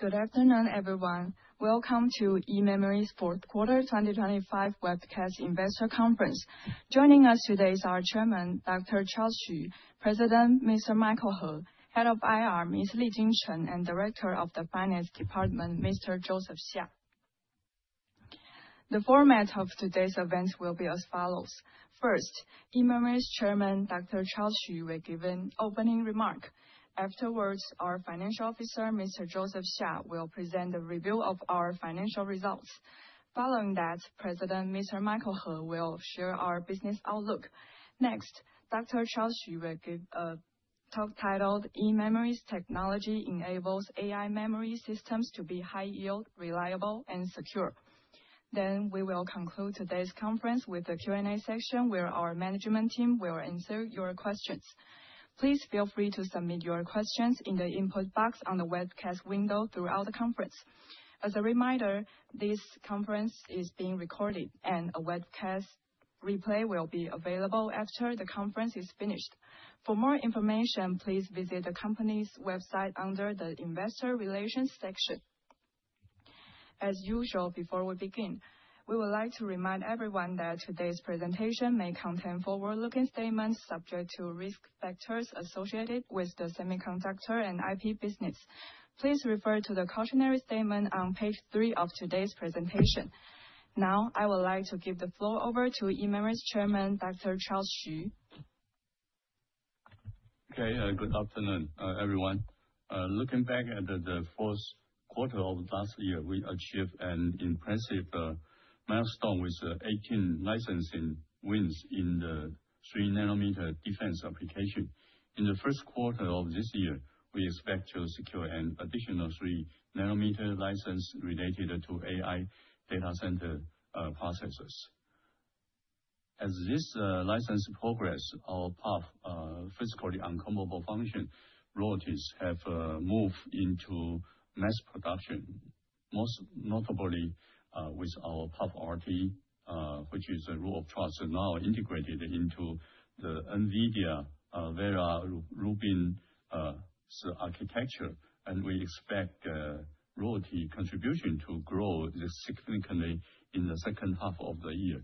Good afternoon, everyone. Welcome to eMemory's Fourth Quarter 2025 Webcast Investor Conference. Joining us today is our Chairman, Dr. Charles Hsu, President, Mr. Michael Ho, Head of IR, Mr. Li-Jeng Chen, and Director of the Finance Department, Mr. Joseph Hsia. The format of today's event will be as follows. First, eMemory's Chairman, Dr. Charles Hsu, will give an opening remark. Afterwards, our Financial Officer, Mr. Joseph Hsia, will present a review of our financial results. Following that, President, Mr. Michael Ho, will share our business outlook. Next, Dr. Charles Hsu will give a talk titled, "eMemory's Technology Enables AI Memory Systems to Be High-Yield, Reliable, and Secure." Then we will conclude today's conference with a Q&A section where our management team will answer your questions. Please feel free to submit your questions in the input box on the webcast window throughout the conference. As a reminder, this conference is being recorded, and a webcast replay will be available after the conference is finished. For more information, please visit the company's website under the Investor Relations section. As usual, before we begin, we would like to remind everyone that today's presentation may contain forward-looking statements subject to risk factors associated with the semiconductor and IP business. Please refer to the cautionary statement on page three of today's presentation. Now, I would like to give the floor over to eMemory's Chairman, Dr. Charles Hsu. Okay, good afternoon, everyone. Looking back at the fourth quarter of last year, we achieved an impressive milestone with 18 licensing wins in the 3 nm defense application. In the first quarter of this year, we expect to secure an additional 3 nm license related to AI data center processors. As this license progresses, our PUF, Physical Unclonable Function, royalties have moved into mass production, most notably with our PUF RT, which is a Root of Trust, now integrated into the NVIDIA Vera Rubin’s architecture, and we expect royalty contribution to grow significantly in the second half of the year.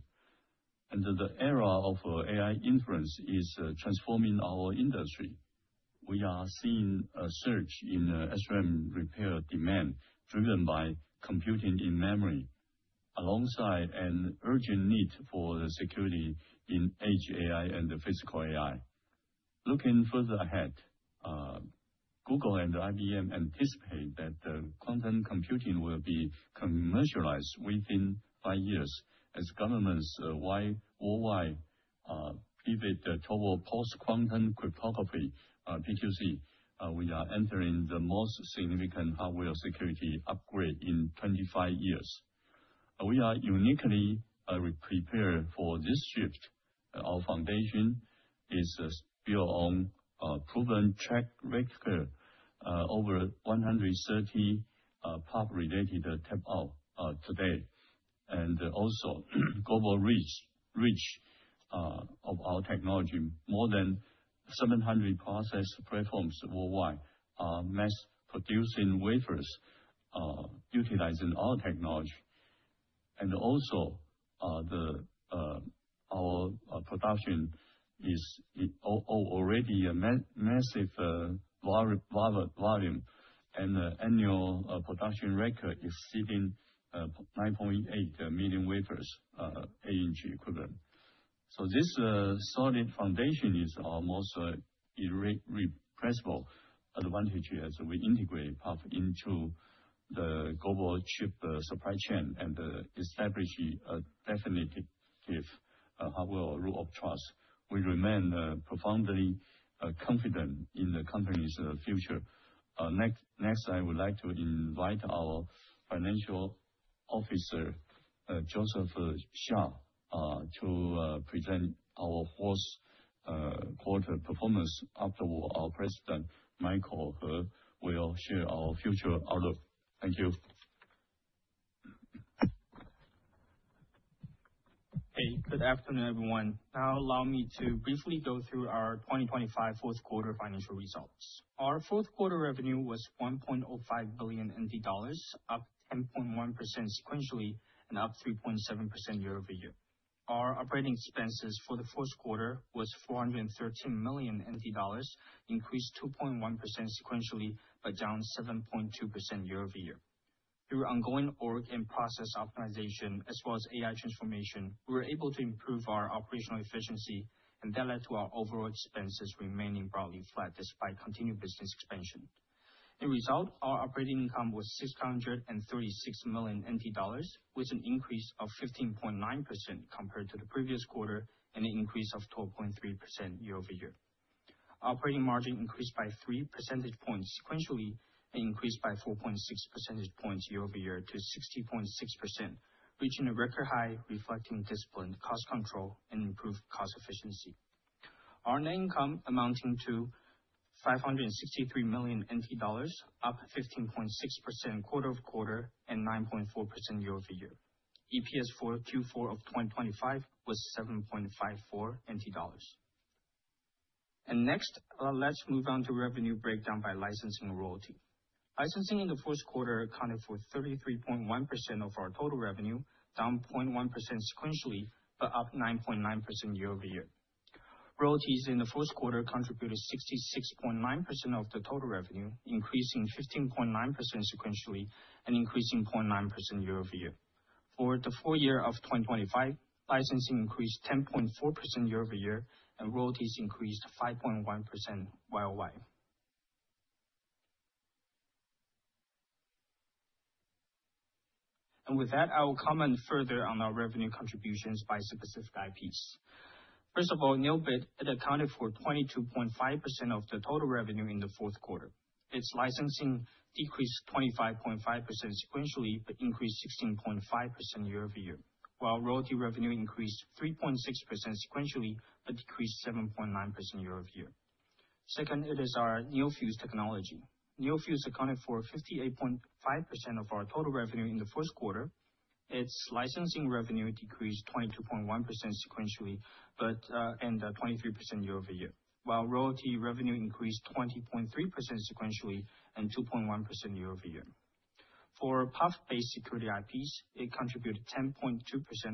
The era of AI inference is transforming our industry. We are seeing a surge in SRAM repair demand driven by Computing-in-Memory, alongside an urgent need for security in edge AI and Physical AI. Looking further ahead, Google and IBM anticipate that quantum computing will be commercialized within five years as governments worldwide pivot toward post-quantum cryptography (PQC). We are entering the most significant hardware security upgrade in 25 years. We are uniquely prepared for this shift. Our foundation is built on proven track record over 130 PUF-related tape out today. And also global reach of our technology more than 700 process platforms worldwide mass-producing wafers utilizing our technology. And also our production is already a massive volume and the annual production record exceeding 9.8 million wafers 8 in equivalent. So this solid foundation is almost irrepressible advantage as we integrate PUF into the global chip supply chain and establish a definitive hardware Root of Trust. We remain profoundly confident in the company's future. Next, I would like to invite our Financial Officer, Joseph Hsia, to present our fourth quarter performance afterward. Our President, Michael Ho, will share our future outlook. Thank you. Hey, good afternoon, everyone. Now allow me to briefly go through our 2025 fourth quarter financial results. Our fourth quarter revenue was 1.05 billion dollars, up 10.1% sequentially and up 3.7% year-over-year. Our operating expenses for the fourth quarter was 413 million NT dollars, increased 2.1% sequentially but down 7.2% year-over-year. Through ongoing org and process optimization as well as AI transformation, we were able to improve our operational efficiency, and that led to our overall expenses remaining broadly flat despite continued business expansion. In result, our operating income was 636 million NT dollars, with an increase of 15.9% compared to the previous quarter and an increase of 12.3% year-over-year. Operating margin increased by 3 percentage points sequentially and increased by 4.6 percentage points year-over-year to 60.6%, reaching a record high reflecting discipline, cost control, and improved cost efficiency. Our net income amounting to $563 million, up 15.6% quarter-over-quarter and 9.4% year-over-year. EPS Q4 of 2025 was $7.54. Next, let's move on to revenue breakdown by licensing and royalty. Licensing in the fourth quarter accounted for 33.1% of our total revenue, down 0.1% sequentially but up 9.9% year-over-year. Royalties in the fourth quarter contributed 66.9% of the total revenue, increasing 15.9% sequentially and increasing 0.9% year-over-year. For the full year of 2025, licensing increased 10.4% year-over-year, and royalties increased 5.1% worldwide. With that, I will comment further on our revenue contributions by specific IPs. First of all, NeoBit, it accounted for 22.5% of the total revenue in the fourth quarter. Its licensing decreased 25.5% sequentially but increased 16.5% year-over-year, while royalty revenue increased 3.6% sequentially but decreased 7.9% year-over-year. Second, it is our NeoFuse Technology. NeoFuse accounted for 58.5% of our total revenue in the first quarter. Its licensing revenue decreased 22.1% sequentially and 23% year-over-year, while royalty revenue increased 20.3% sequentially and 2.1% year-over-year. For PUF-based security IPs, it contributed 10.2%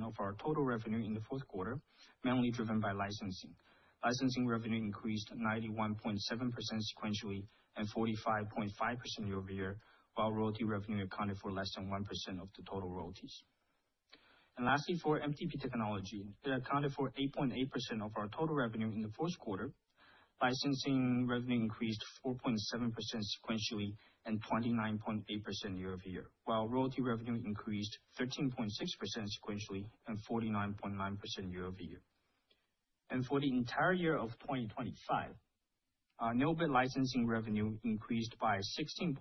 of our total revenue in the fourth quarter, mainly driven by licensing. Licensing revenue increased 91.7% sequentially and 45.5% year-over-year, while royalty revenue accounted for less than 1% of the total royalties. Lastly, for MTP Technology, it accounted for 8.8% of our total revenue in the fourth quarter. Licensing revenue increased 4.7% sequentially and 29.8% year-over-year, while royalty revenue increased 13.6% sequentially and 49.9% year-over-year. For the entire year of 2025, NeoBit licensing revenue increased by 16.1%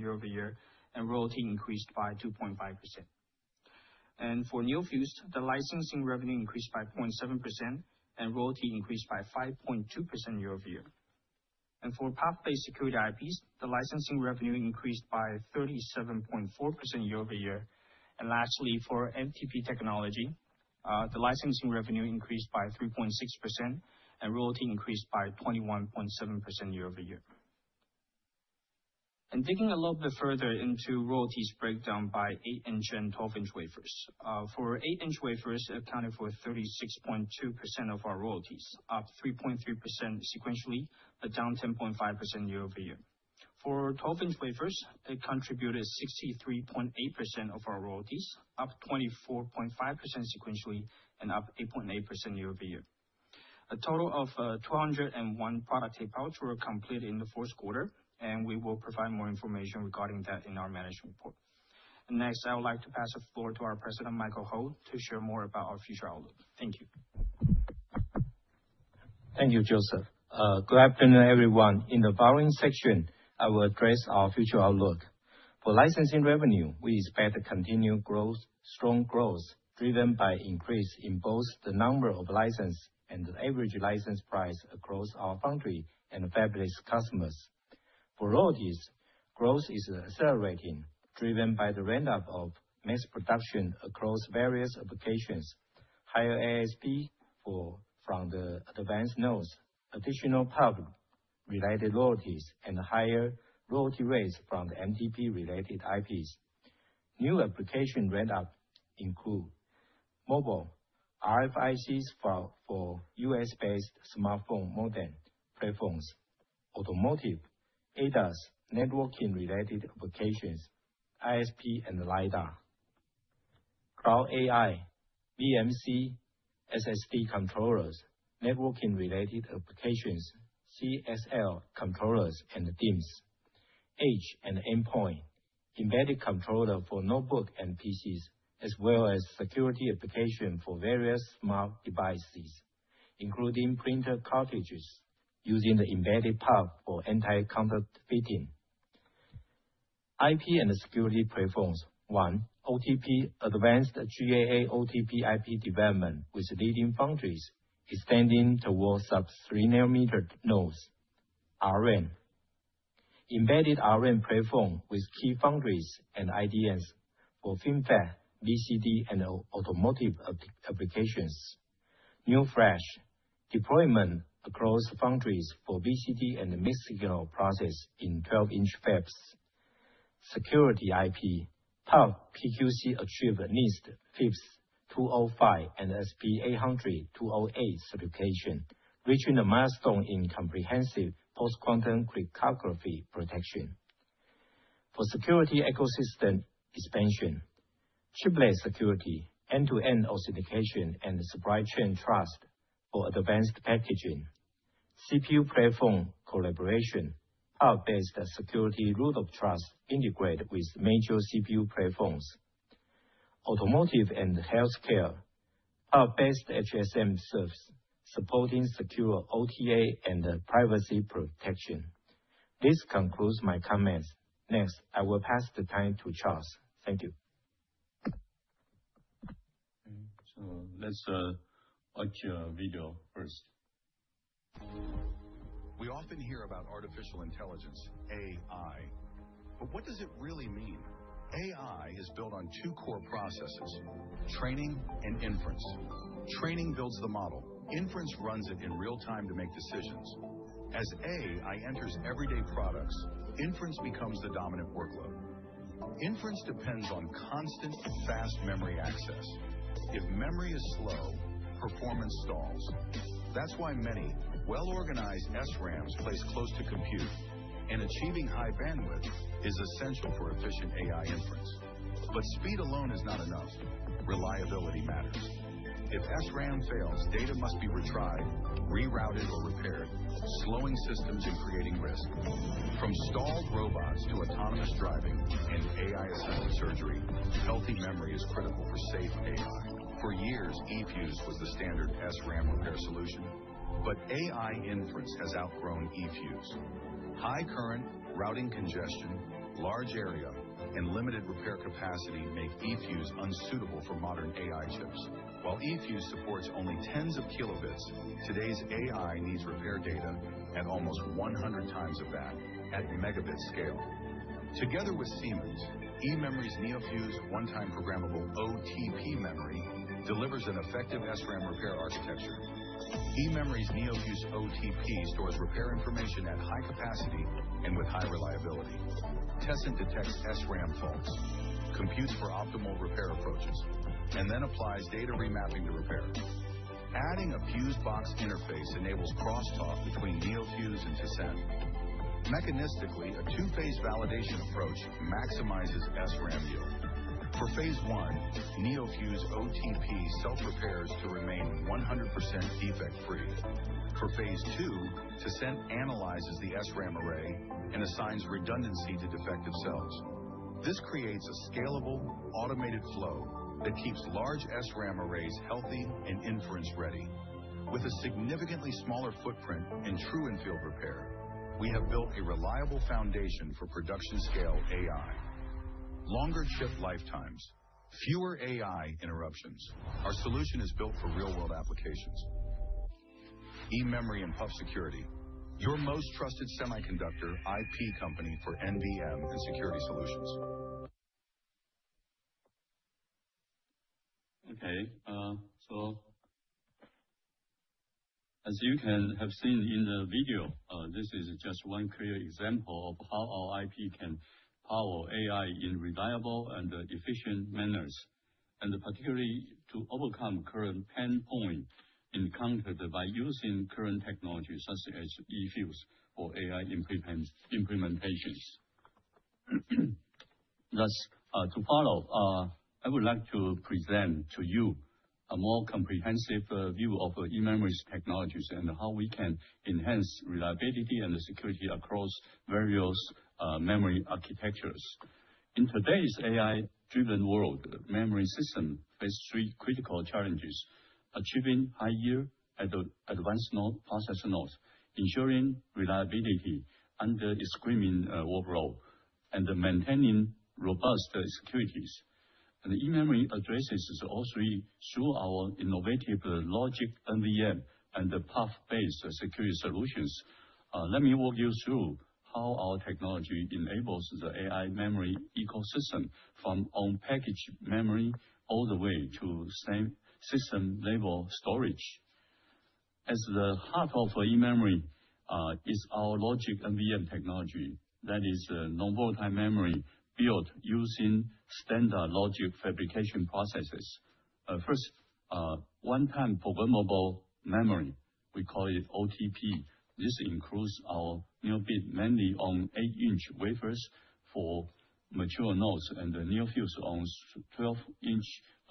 year-over-year, and royalty increased by 2.5%. For NeoFuse, the licensing revenue increased by 0.7%, and royalty increased by 5.2% year-over-year. For PUF-based security IPs, the licensing revenue increased by 37.4% year-over-year. Lastly, for NeoMTP, the licensing revenue increased by 3.6%, and royalty increased by 21.7% year-over-year. Digging a little bit further into royalties breakdown by 8 in and 12 in wafers, for 8 in wafers, it accounted for 36.2% of our royalties, up 3.3% sequentially but down 10.5% year-over-year. For 12 in wafers, it contributed 63.8% of our royalties, up 24.5% sequentially and up 8.8% year-over-year. A total of 201 product tape-outs were completed in the fourth quarter, and we will provide more information regarding that in our management report. Next, I would like to pass the floor to our President, Michael Ho, to share more about our future outlook. Thank you. Thank you, Joseph. Good afternoon, everyone. In the following section, I will address our future outlook. For licensing revenue, we expect to continue growth, strong growth, driven by increase in both the number of license and the average license price across our country and fabless customers. For royalties, growth is accelerating, driven by the ramp-up of mass production across various applications, higher ASP from the advanced nodes, additional PUF-related royalties, and higher royalty rates from the MTP-related IPs. New application ramp-up include Mobile: RFICs for U.S.-based smartphone modem platforms. Automotive: ADAS, networking-related applications, ISP, and LIDAR. Cloud AI: BMC, SSD controllers, networking-related applications, CXL controllers, and DIMMs. Edge and Endpoint: Embedded controller for notebook and PCs, as well as security application for various smart devices, including printer cartridges, using the embedded PUF for anti-counterfeiting. IP and Security Platforms: 1, OTP: Advanced GAA OTP IP development with leading foundries, extending towards sub-3 nm nodes. RRAM: Embedded RRAM platform with key foundries and IDMs for Fintech, BCD, and IoT-automotive applications. NeoFlash: Deployment across foundries for BCD and mixed-signal process in 12 in fabs. Security IP: PUF PQC, achieve NIST FIPS 205 and SP 800-208 certification, reaching a milestone in comprehensive post-quantum cryptography protection. For Security Ecosystem Expansion: Chiplet Security, end-to-end authentication, and supply chain trust for advanced packaging. CPU platform collaboration: PUF-based Security Root of Trust integrated with major CPU platforms. Automotive and healthcare: PUF-based HSM servers, supporting secure OTA and privacy protection. This concludes my comments. Next, I will pass the time to Charles. Thank you. Okay, so let's watch video first. We often hear about artificial intelligence, AI, but what does it really mean? AI is built on two core processes: training and inference. Training builds the model; inference runs it in real time to make decisions. As AI enters everyday products, inference becomes the dominant workload. Inference depends on constant, fast memory access. If memory is slow, performance stalls. That's why many well-organized SRAMs place close to compute, and achieving high bandwidth is essential for efficient AI inference. But speed alone is not enough; reliability matters. If SRAM fails, data must be retried, rerouted, or repaired, slowing systems and creating risk. From stalled robots to autonomous driving and AI-assisted surgery, healthy memory is critical for safe AI. For years, eFuses was the standard SRAM repair solution, but AI inference has outgrown eFuses. High current, routing congestion, large area, and limited repair capacity make eFuses unsuitable for modern AI chips. While eFuse supports only tens of kilobits, today's AI needs repair data at almost 100 times of that, at megabit scale. Together with Siemens, eMemory's NeoFuse one-time programmable OTP memory delivers an effective SRAM repair architecture. eMemory's NeoFuse OTP stores repair information at high capacity and with high reliability. Tessent detects SRAM faults, computes for optimal repair approaches, and then applies data remapping to repair. Adding a FuseBox interface enables crosstalk between NeoFuse and Tessent. Mechanistically, a two-phase validation approach maximizes SRAM yield. For phase I, NeoFuse OTP self-repairs to remain 100% defect-free. For phase II, Tessent analyzes the SRAM array and assigns redundancy to defective cells. This creates a scalable, automated flow that keeps large SRAM arrays healthy and inference-ready. With a significantly smaller footprint and true-in-field repair, we have built a reliable foundation for production-scale AI. Longer chip lifetimes, fewer AI interruptions, our solution is built for real-world applications. eMemory and PUF Security, your most trusted semiconductor IP company for NVM and Security Solutions. Okay, so, as you can have seen in the video, this is just one clear example of how our IP can power AI in reliable and efficient manners, and particularly to overcome current pain points encountered by using current technology such as eFuses for AI implementations. Thus, to follow, I would like to present to you a more comprehensive view of eMemory's technologies and how we can enhance reliability and security across various memory architectures. In today's AI-driven world, memory systems face three critical challenges: achieving high yield at the advanced node process nodes, ensuring reliability under a streaming workload, and maintaining robust security. eMemory addresses all three through our innovative logic NVM and the PUF-based Security Solutions. Let me walk you through how our technology enables the AI memory ecosystem from on-package memory all the way to system-level storage. As the heart of eMemory is our logic NVM technology, that is, non-volatile memory built using standard logic fabrication processes. First, one-time programmable memory—we call it OTP. This includes our NeoBit mainly on 8 in wafers for mature nodes, and the NeoFuse on 12 in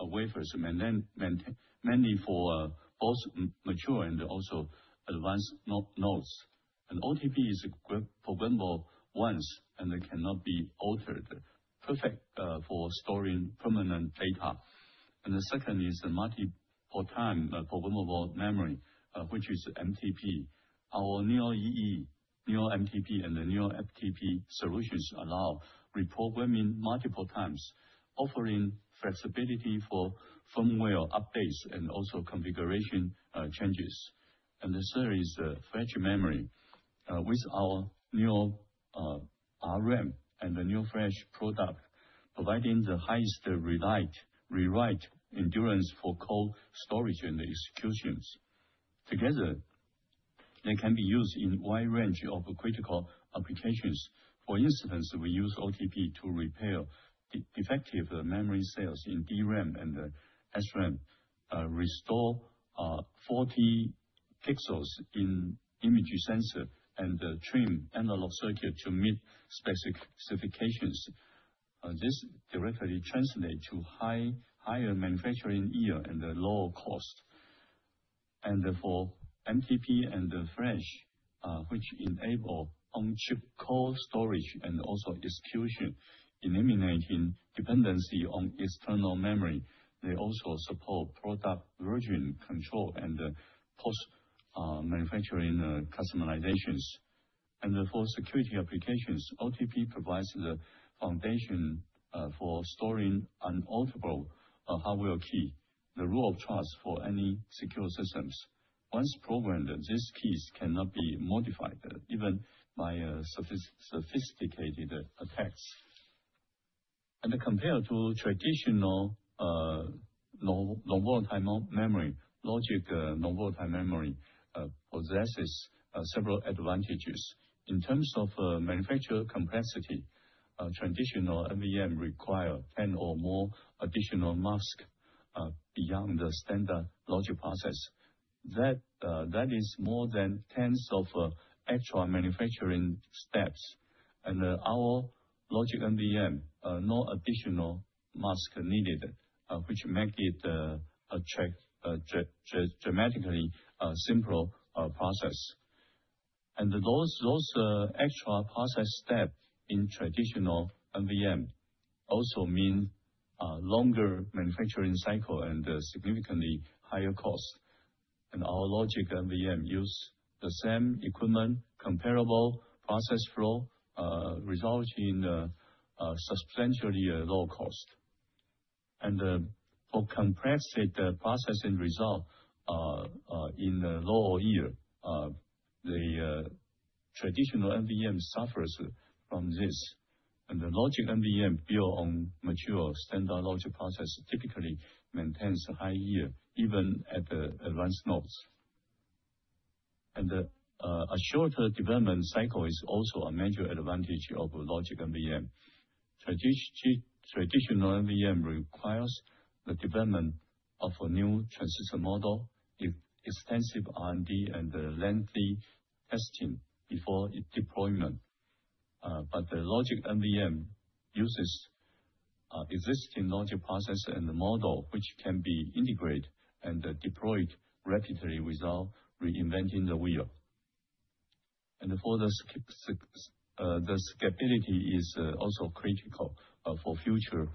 wafers mainly for both mature and also advanced nodes. And OTP is a programmable once and cannot be altered, perfect for storing permanent data. And the second is multiple-time programmable memory, which is MTP. Our NeoEE, NeoMTP, and the NeoMTP solutions allow reprogramming multiple times, offering flexibility for firmware updates and also configuration changes. And the third is Flash memory, with our NeoRRAM and the NeoFlash product, providing the highest rewrite endurance for cold storage and executions. Together, they can be used in a wide range of critical applications. For instance, we use OTP to repair defective memory cells in DRAM and SRAM, restore 40 pixels in image sensor and trim analog circuit to meet specifications. This directly translates to higher manufacturing yield and lower cost. And for MTP and Flash, which enable on-chip cold storage and also execution, eliminating dependency on external memory. They also support product version control and post-manufacturing customizations. And for security applications, OTP provides the foundation for storing unalterable hardware keys, the Root of Trust for any secure systems. Once programmed, these keys cannot be modified, even by sophisticated attacks. And compared to traditional non-volatile memory, logic non-volatile memory possesses several advantages. In terms of manufacturing complexity, traditional NVM require 10 or more additional masks beyond the standard logic process. That is more than tens of extra manufacturing steps. Our logic NVM, no additional mask needed, which makes it attractively dramatically simple process. Those extra process steps in traditional NVM also mean longer manufacturing cycle and significantly higher cost. Our logic NVM uses the same equipment, comparable process flow, resulting in substantially lower cost. For complexity, processing result in lower yield, the traditional NVM suffers from this. The logic NVM built on mature standard logic process typically maintains high yield even at the advanced nodes. A shorter development cycle is also a major advantage of logic NVM. Traditional NVM requires the development of a new transistor model, extensive R&D, and lengthy testing before deployment. But the logic NVM uses existing logic process and the model, which can be integrated and deployed rapidly without reinventing the wheel. For the scalability is also critical for future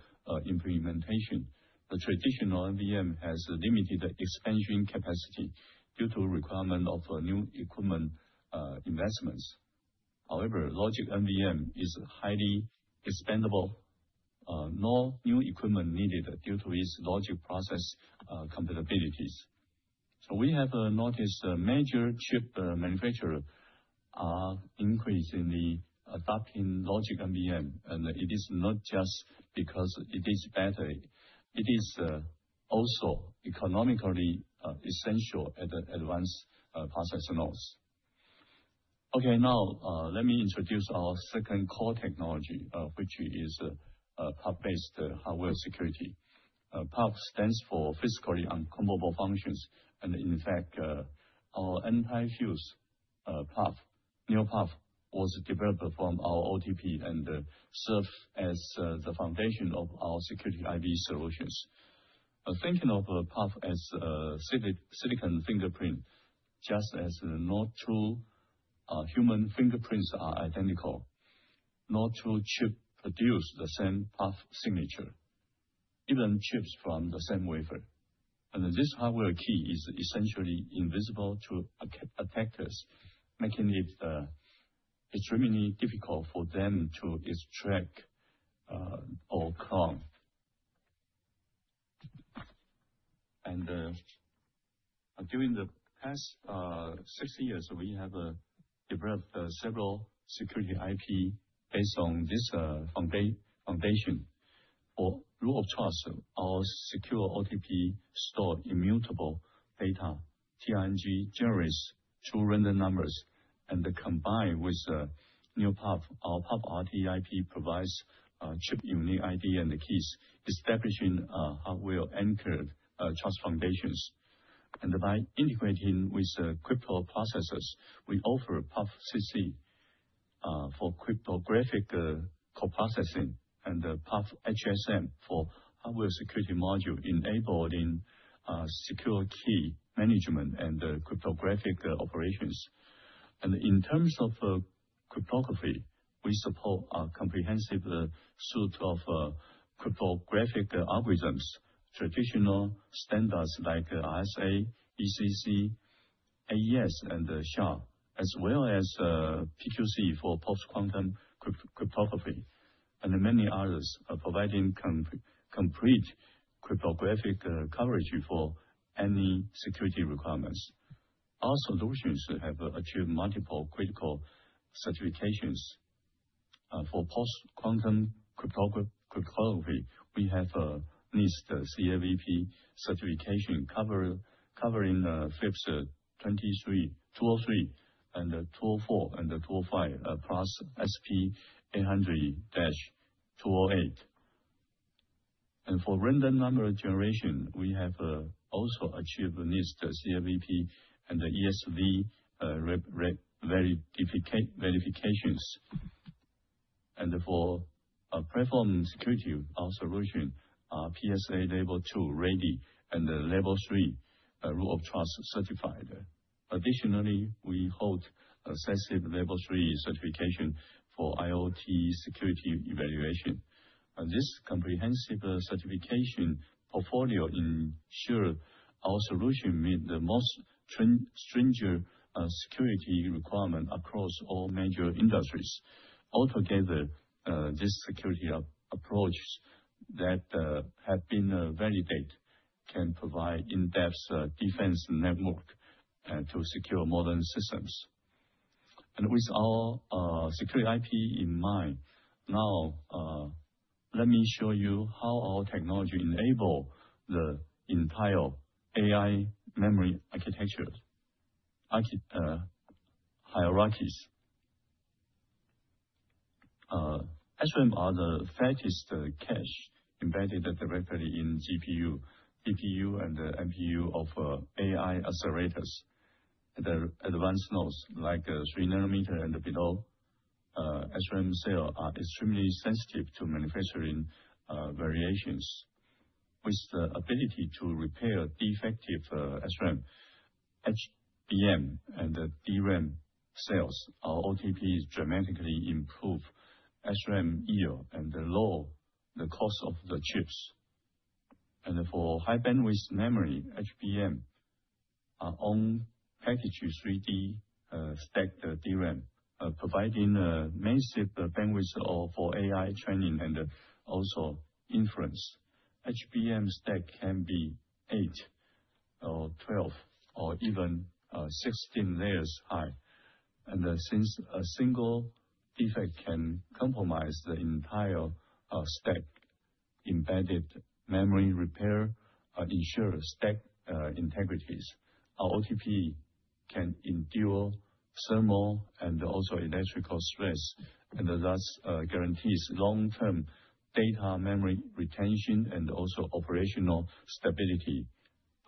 implementation. The traditional NVM has limited expansion capacity due to requirement of new equipment, investments. However, logic NVM is highly expandable, no new equipment needed due to its logic process, compatibilities. So we have noticed major chip manufacturers increase in the adopting logic NVM, and it is not just because it is better. It is also economically essential at the advanced process nodes. Okay, now let me introduce our second core technology, which is PUF-based hardware security. PUF stands for Physically Unclonable Functions, and in fact, our anti-fuse PUF, NeoPUF, was developed from our OTP and serves as the foundation of our security IP solutions. Thinking of PUF as silicon fingerprint, just as no two human fingerprints are identical, no two chips produce the same PUF signature, even chips from the same wafer. This hardware key is essentially invisible to attackers, making it extremely difficult for them to extract or clone. During the past 60 years, we have developed several security IP based on this foundation. For Root of Trust, our secure OTP store immutable data, TRNG generates true random numbers, and combined with NeoPUF, our PUF RT IP provides chip unique ID and the keys, establishing hardware-anchored trust foundations. By integrating with crypto processors, we offer PUFcc for cryptographic co-processing, and PUF HSM for hardware security module enabling secure key management and cryptographic operations. In terms of cryptography, we support a comprehensive suite of cryptographic algorithms, traditional standards like RSA, ECC, AES, and SHA, as well as PQC for post-quantum cryptography, and many others, providing complete cryptographic coverage for any security requirements. Our solutions have achieved multiple critical certifications. For post-quantum cryptography, we have NIST CAVP certification covering FIPS 203, 204, and 205, plus SP 800-208. For random number generation, we have also achieved NIST CAVP and ESV verifications. For platform security, our solution are PSA level II ready and level III Root of Trust certified. Additionally, we hold EAL level III certification for IoT security evaluation. This comprehensive certification portfolio ensures our solution meets the most stringent security requirement across all major industries. Altogether, this security approach that has been validated can provide in-depth defense network to secure modern systems. With our security IP in mind, now let me show you how our technology enables the entire AI memory architectures hierarchies. SRAM are the fastest cache embedded directly in GPU, CPU, and NPU of AI accelerators. The advanced nodes, like 3 nm and below, SRAM cells are extremely sensitive to manufacturing variations. With the ability to repair defective SRAM, HBM, and DRAM cells, our OTPs dramatically improve SRAM yield and lower the cost of the chips. For high-bandwidth memory, HBM are on-package 3D stacked DRAM, providing massive bandwidth for AI training and also inference. HBM stack can be eight or 12 or even 16 layers high. Since a single defect can compromise the entire stack, embedded memory repair ensures stack integrities. Our OTP can endure thermal and also electrical stress, and thus guarantees long-term data memory retention and also operational stability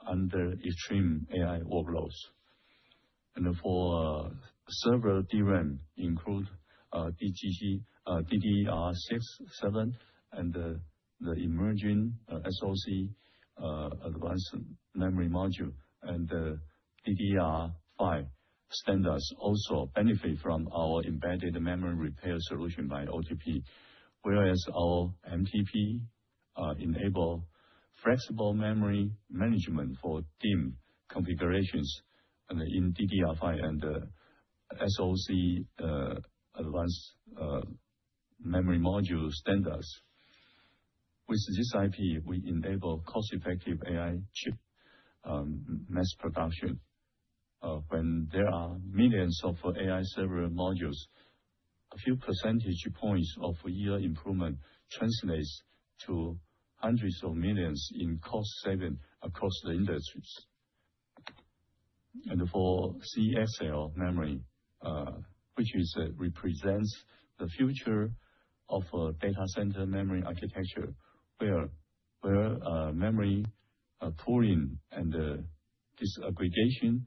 under extreme AI workloads. For server DRAM, including DDR6-7 and the emerging SoC advanced memory module and DDR5 standards, also benefit from our embedded memory repair solution by OTP, whereas our MTP enables flexible memory management for DIMM configurations in DDR5 and SoC advanced memory module standards. With this IP, we enable cost-effective AI chip mass production. When there are millions of AI server modules, a few percentage points of year improvement translates to $hundreds of millions in cost savings across the industries. For CXL memory, which represents the future of a data center memory architecture, where memory pooling and disaggregation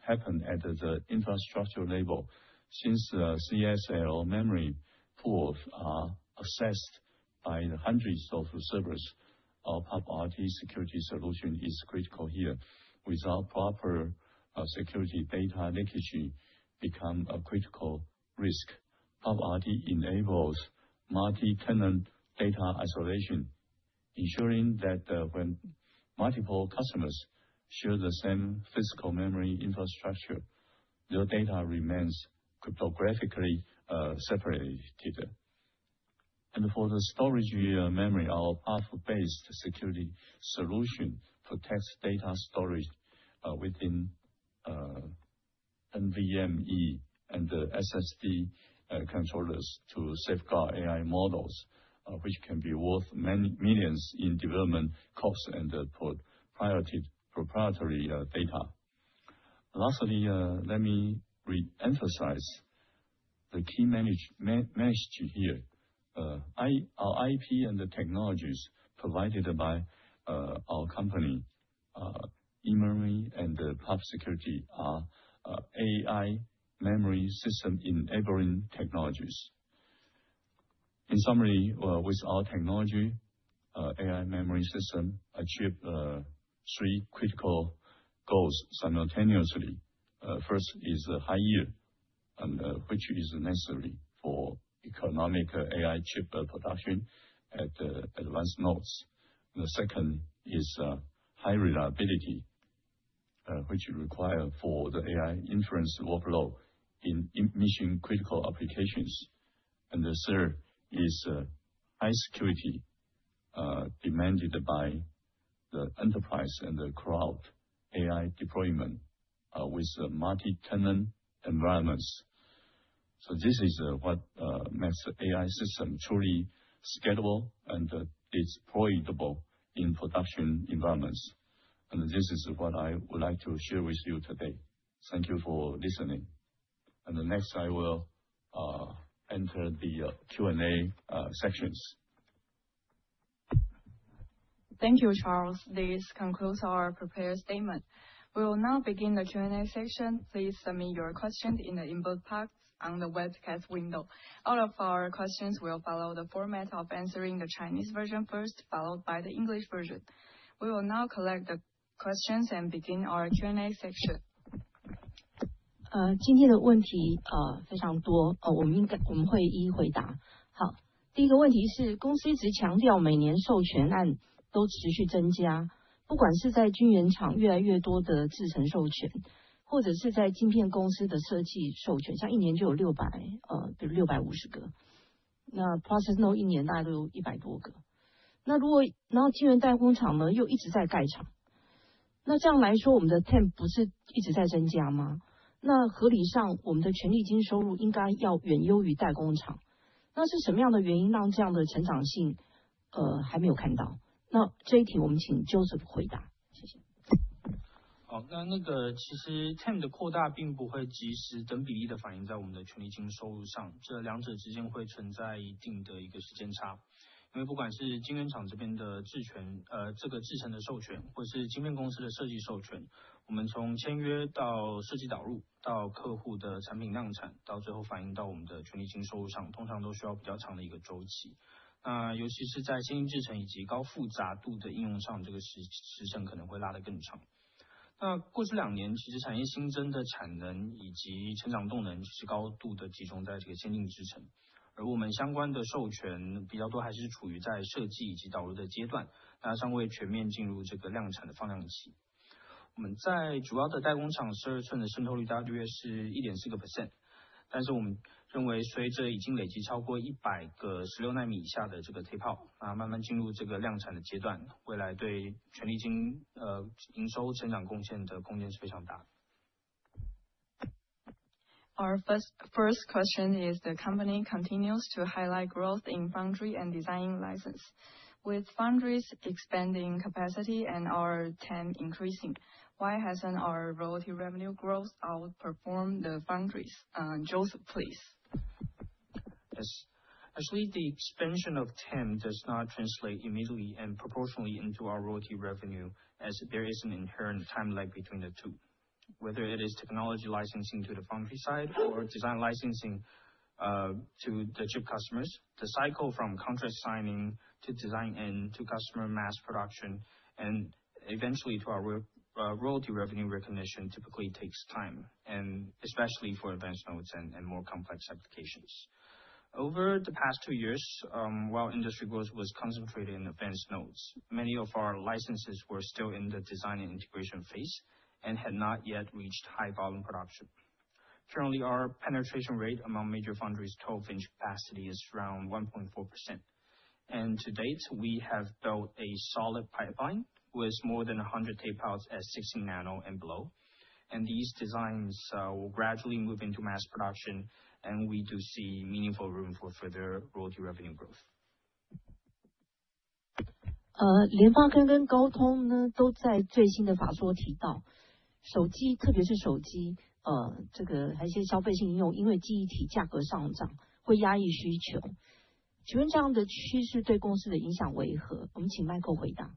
happen at the infrastructure level. Since CXL memory pools are accessed by hundreds of servers, our PUF RT security solution is critical here. Without proper security, data leakage becomes a critical risk. PUF RT enables multi-tenant data isolation, ensuring that when multiple customers share the same physical memory infrastructure, their data remains cryptographically separated. And for the storage memory, our PUF-based security solution protects data storage within NVMe and SSD controllers to safeguard AI models, which can be worth many millions in development costs and proprietary data. Lastly, let me re-emphasize the key management here. Our IP and the technologies provided by our company, eMemory and PUF Security, are AI memory system enabling technologies. In summary, with our technology, AI memory systems achieve three critical goals simultaneously. First is high yield, which is necessary for economic AI chip production at the advanced nodes. And the second is high reliability, which requires for the AI inference workload in mission-critical applications. And the third is high security, demanded by the enterprise and the cloud AI deployment with multi-tenant environments. So this is what makes the AI system truly scalable and deployable in production environments. And this is what I would like to share with you today. Thank you for listening. And next, I will enter the Q&A sections. Thank you, Charles. This concludes our prepared statement. We will now begin the Q&A section. Please submit your questions in the inbox box on the webcast window. All of our questions will follow the format of answering the Chinese version first, followed by the English version. We will now collect the questions and begin our Q&A section. 好，那那个其实TAM的扩大并不会即时等比例地反映在我们的权利金收入上，这两者之间会存在一定的一个时间差，因为不管是晶圆厂这边的制程，呃，这个制程的授权，或是晶片公司的设计授权，我们从签约到设计导入，到客户的产品量产，到最后反映到我们的权利金收入上，通常都需要比较长的一个周期。那尤其是在先进制程以及高复杂度的应用上，这个时程可能会拉得更长。那过去两年其实产业新增的产能以及成长动能其实高度地集中在这个先进制程，而我们相关的授权比较多还是处于在设计以及导入的阶段，那尚未全面进入这个量产的放量期。我们在主要的代工厂12吋的渗透率大概约是1.4%，但是我们认为随着已经累积超过100个16奈米以下的这个tape-out，那慢慢进入这个量产的阶段，未来对权利金，呃，营收成长贡献的空间是非常大的。Our first question is, the company continues to highlight growth in foundry and design license. With foundries expanding capacity and our TAM increasing, why hasn't our royalty revenue growth outperformed the foundries? Joseph, please. Yes. Actually, the expansion of TAM does not translate immediately and proportionally into our royalty revenue, as there is an inherent time lag between the two. Whether it is technology licensing to the foundry side or design licensing to the chip customers, the cycle from contract signing to design end to customer mass production and eventually to our royalty revenue recognition typically takes time, and especially for advanced nodes and more complex applications. Over the past two years, while industry growth was concentrated in advanced nodes, many of our licenses were still in the design and integration phase and had not yet reached high-volume production. Currently, our penetration rate among major foundries' 12 in capacity is around 1.4%. To date, we have built a solid pipeline with more than 100 tape-outs at 16 nano and below, and these designs will gradually move into mass production, and we do see meaningful room for further royalty revenue growth. 呃，联发科跟高通呢，都在最新的法说提到，手机，特别是手机，呃，这个还有一些消费性应用，因为记忆体价格上涨，会压抑需求。请问这样的趋势对公司的影响为何？我们请Michael回答。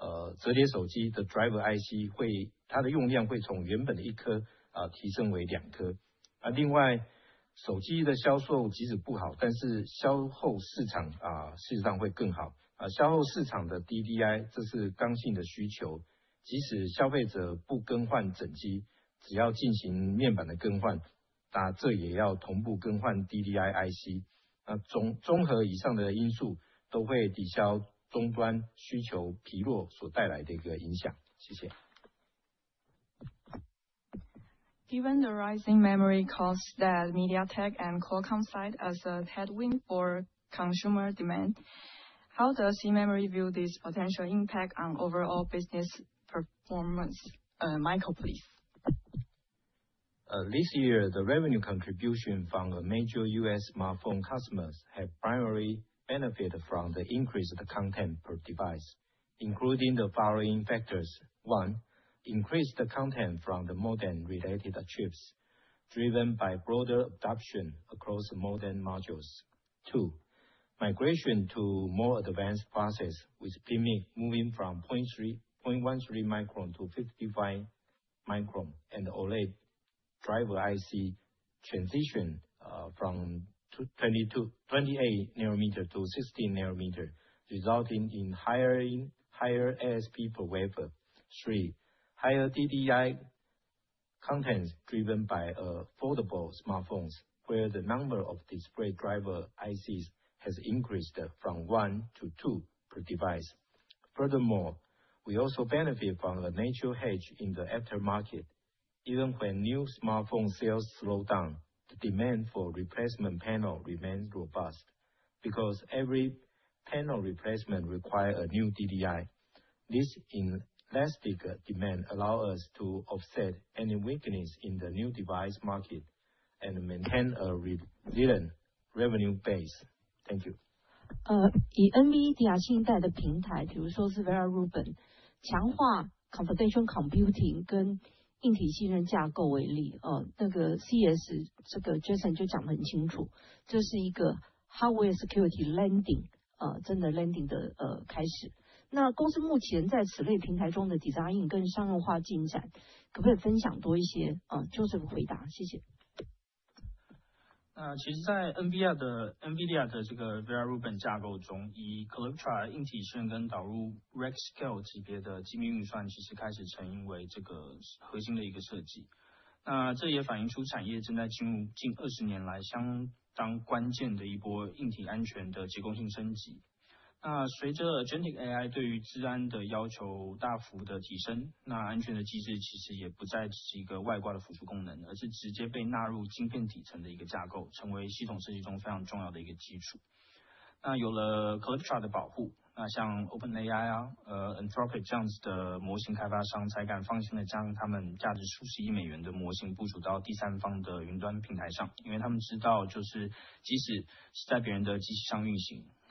micron会转向55奈米，OLED的DDI也会从28奈米转向更先进的16奈米。另外还有像折叠手机的Driver IC，它的用量会从原本的一颗提升为两颗。另外，手机的销售即使不好，但是销后市场事实上会更好。销后市场的DDI，这是刚性的需求，即使消费者不更换整机，只要进行面板的更换，那这也要同步更换DDI IC。那综合以上的因素，都会抵消终端需求疲弱所带来的一个影响。谢谢。Given the rising memory costs that MediaTek and Qualcomm cite as a headwind for consumer demand, how does eMemory view this potential impact on overall business performance? Michael, please. This year, the revenue contribution from major U.S. smartphone customers has primarily benefited from the increased content per device, including the following factors: one, increased content from the Modem-related chips, driven by broader adoption across Modem modules. Two, migration to more advanced processes, with PMIC moving from 0.13 micron-55 micron, and OLED Driver IC transition from 28 nm-16 nm, resulting in higher ASP per wafer. Three, higher DDI contents driven by foldable smartphones, where the number of display driver ICs has increased from one to two per device. Furthermore, we also benefit from a natural hedge in the aftermarket. Even when new smartphone sales slow down, the demand for replacement panels remains robust because every panel replacement requires a new DDI. This elastic demand allows us to offset any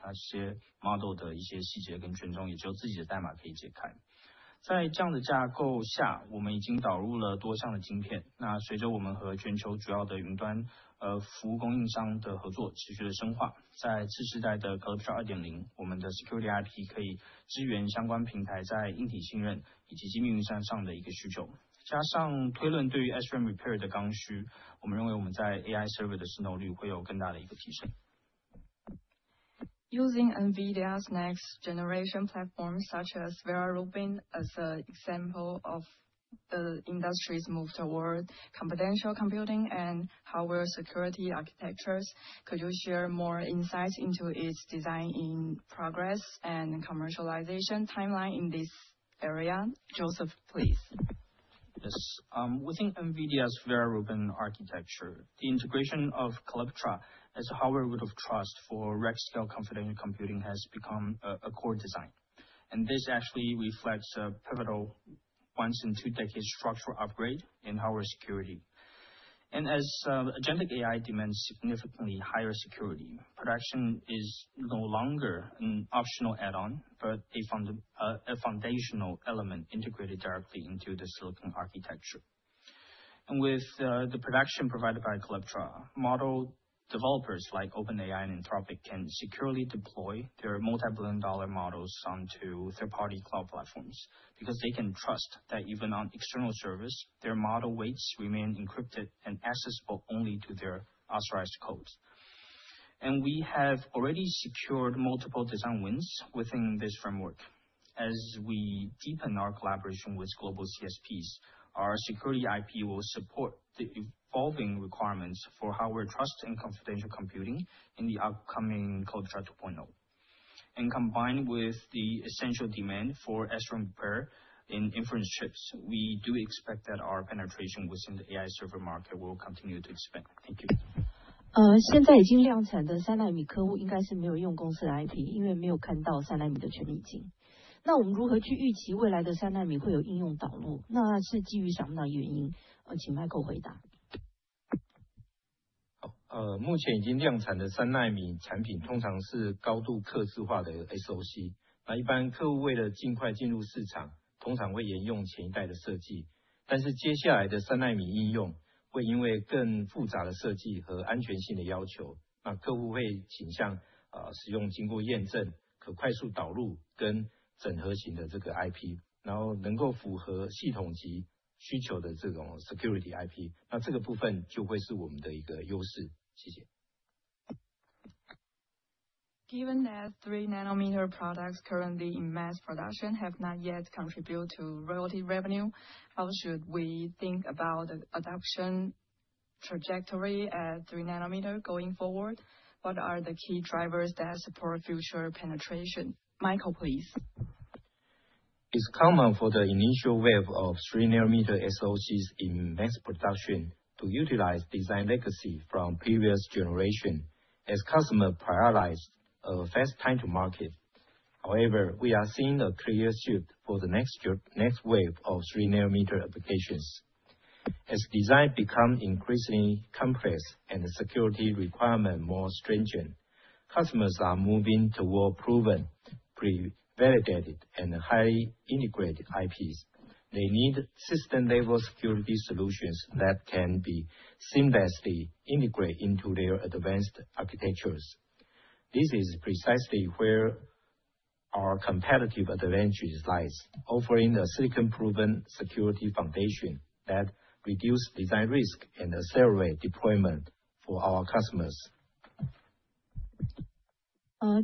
weakness in the new device market and maintain a resilient revenue base. Thank you. 以NVIDIA新一代的平台，譬如说Vera Rubin，强化Confidential Computing跟硬體信任架构为例，那个CS，这个Jensen就讲得很清楚，这是一个Hardware Security Landscape，真的Landing的开始。那公司目前在此类平台中的Design跟商用化进展，可不可以分享多一些？Joseph回答，谢谢。那其实在NVIDIA的这个Vera Rubin架构中，以Calyptra硬体信任跟导入Rack-scale级别的机密运算，其实开始成为这个核心的一个设计。那这也反映出产业正在进入近20年来相当关键的一波硬体安全的结构性升级。那随着Agentic AI对于资安的要求大幅地提升，那安全的机制其实也不再只是一个外挂的辅助功能，而是直接被纳入晶片底层的一个架构，成为系统设计中非常重要的一个基础。那有了Calyptra的保护，那像OpenAI、Anthropic这样子的模型开发商才敢放心地将他们价值数十亿美元的模型部署到第三方的云端平台上，因为他们知道就是即使是在别人的机器上运行，那这些Model的一些细节跟权重也只有自己的代码可以解开。在这样的架构下，我们已经导入了多项的晶片。那随着我们和全球主要的云端服务供应商的合作持续地深化，在次世代的Calyptra 2.0，我们的Security IP可以支援相关平台在硬体信任以及机密运算上的一个需求。加上推论对于SRAM repair的刚需，我们认为我们在AI Server的生动率会有更大的一个提升。Using NVIDIA's next-generation platform such as Vera Rubin as an example of the industry's move toward Confidential Computing and Hardware Security Architectures, could you share more insights into its design in progress and commercialization timeline in this area? Joseph, please. Yes. Within NVIDIA's Vera Rubin architecture, the integration of Calyptra as a hardware Root of Trust for rack-scale Confidential Computing has become a core design, and this actually reflects a pivotal once-in-two-decade structural upgrade in hardware security. As Agentic AI demands significantly higher security, protection is no longer an optional add-on, but a foundational element integrated directly into the silicon architecture. With the protection provided by Calyptra, model developers like OpenAI and Anthropic can securely deploy their multi-billion-dollar models onto third-party cloud platforms because they can trust that even on external service, their model weights remain encrypted and accessible only to their authorized codes. We have already secured multiple design wins within this framework. As we deepen our collaboration with global CSPs, our Security IP will support the evolving requirements for hardware trust and Confidential Computing in the upcoming Calyptra 2.0. Combined with the essential demand for SRAM repair in inference chips, we do expect that our penetration within the AI server market will continue to expand. Thank you. 现在已经量产的3奈米客户应该是没有用公司的IP，因为没有看到3奈米的权利金。那我们如何去预期未来的3奈米会有应用导入？那是基于什么样的原因？请Michael回答。好，目前已经量产的3奈米产品通常是高度客制化的SoC。那一般客户为了尽快进入市场，通常会沿用前一代的设计。但是接下来的3奈米应用，会因为更复杂的设计和安全性的要求，那客户会倾向使用经过验证、可快速导入跟整合型的这个IP，然后能够符合系统级需求的这种Security IP。那这个部分就会是我们的一个优势。谢谢。Given that 3 nm products currently in mass production have not yet contributed to royalty revenue, how should we think about the adoption trajectory at 3 nm going forward? What are the key drivers that support future penetration? Michael, please. It's common for the initial wave of 3 nm SoCs in mass production to utilize design legacy from previous generations, as customers prioritize a fast time-to-market. However, we are seeing a clear shift for the next wave of 3 nm applications. As design becomes increasingly complex and security requirements more stringent, customers are moving toward proven, pre-validated, and highly integrated IPs. They need system-level Security Solutions that can be seamlessly integrated into their advanced architectures. This is precisely where our competitive advantage lies, offering a silicon-proven security foundation that reduces design risk and accelerates deployment for our customers.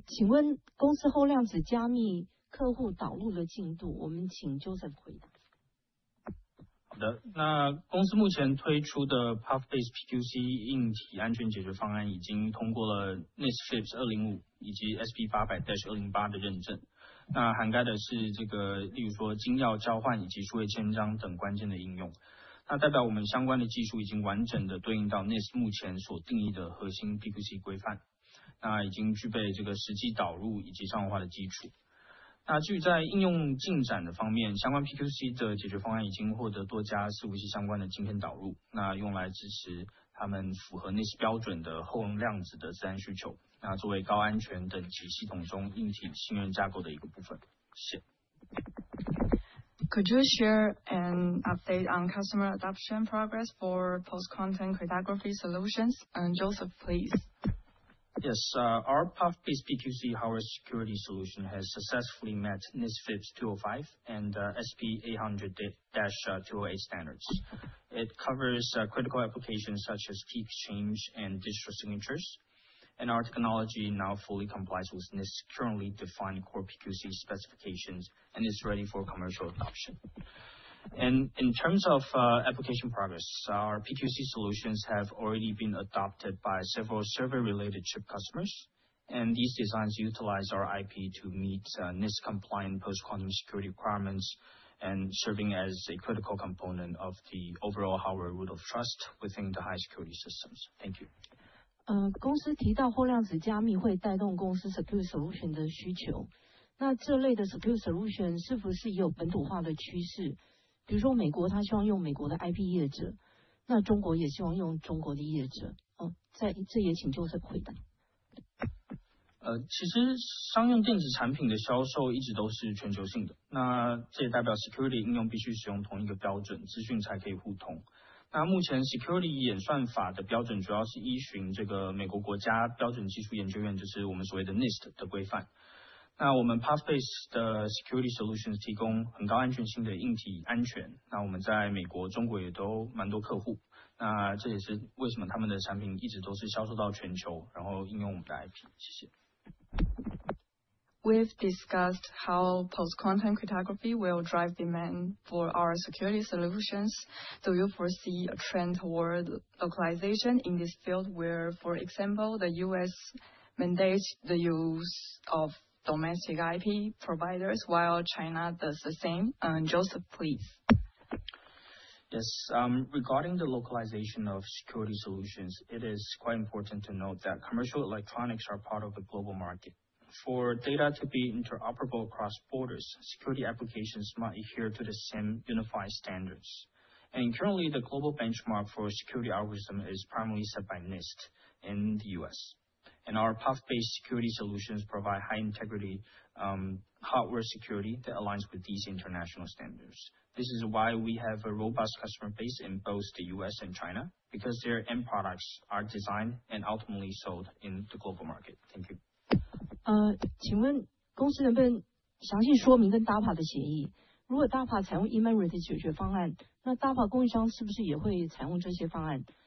请问公司后量子加密客户导入的进度？我们请Joseph回答。好的。那公司目前推出的PUFbase PQC硬体安全解决方案已经通过了NIST FIPS 205以及SP 800-208的认证。那涵盖的是这个，例如说金钥交换以及数位签章等关键的应用。那代表我们相关的技术已经完整地对应到NIST目前所定义的核心PQC规范，那已经具备这个实际导入以及商用化的基础。那至于在应用进展的方面，相关PQC的解决方案已经获得多家伺服器相关的晶片导入，那用来支持他们符合NIST标准的后量子的资安需求，那作为高安全等级系统中硬体信任架构的一个部分。谢谢。Could you share an update on customer adoption progress for Post-Quantum Cryptography solutions? Joseph, please. Yes. Our PUF-based PQC hardware security solution has successfully met NIST FIPS 205 and SP 800-208 standards. It covers critical applications such as key exchange and digital signatures, and our technology now fully complies with NIST's currently defined core PQC specifications and is ready for commercial adoption. In terms of application progress, our PQC solutions have already been adopted by several server-related chip customers, and these designs utilize our IP to meet NIST-compliant post-quantum security requirements and serve as a critical component of the overall hardware Root of Trust within the high security systems. Thank you. 公司提到后量子加密会带动公司Secure Solution的需求。那这类的Secure Solutions提供很高安全性的硬体安全，那我们在美国、中国也都蛮多客户。那这也是为什么他们的产品一直都是销售到全球，然后应用我们的ip。谢谢。We've discussed how Post-Quantum Cryptography will drive demand for our Security Solutions. Do you foresee a trend toward localization in this field where, for example, the U.S. mandates the use of domestic IP providers while China does the same? Joseph, please. Yes. Regarding the localization of Security Solutions, it is quite important to note that commercial electronics are part of the global market. For data to be interoperable across borders, security applications must adhere to the same unified standards. And currently, the global benchmark for security algorithms is primarily set by NIST in the U.S. And our PUF-based Security Solutions provide high-integrity hardware security that aligns with these international standards. This is why we have a robust customer base in both the U.S. and China, because their end products are designed and ultimately sold in the global market. Thank you. 请问公司能不能详细说明跟DARPA的协议？如果DARPA采用eMemory的解决方案，那DARPA供应商是不是也会采用这些方案？如果是，那eMemory会不会把握这样的机会？Joseph，请回答。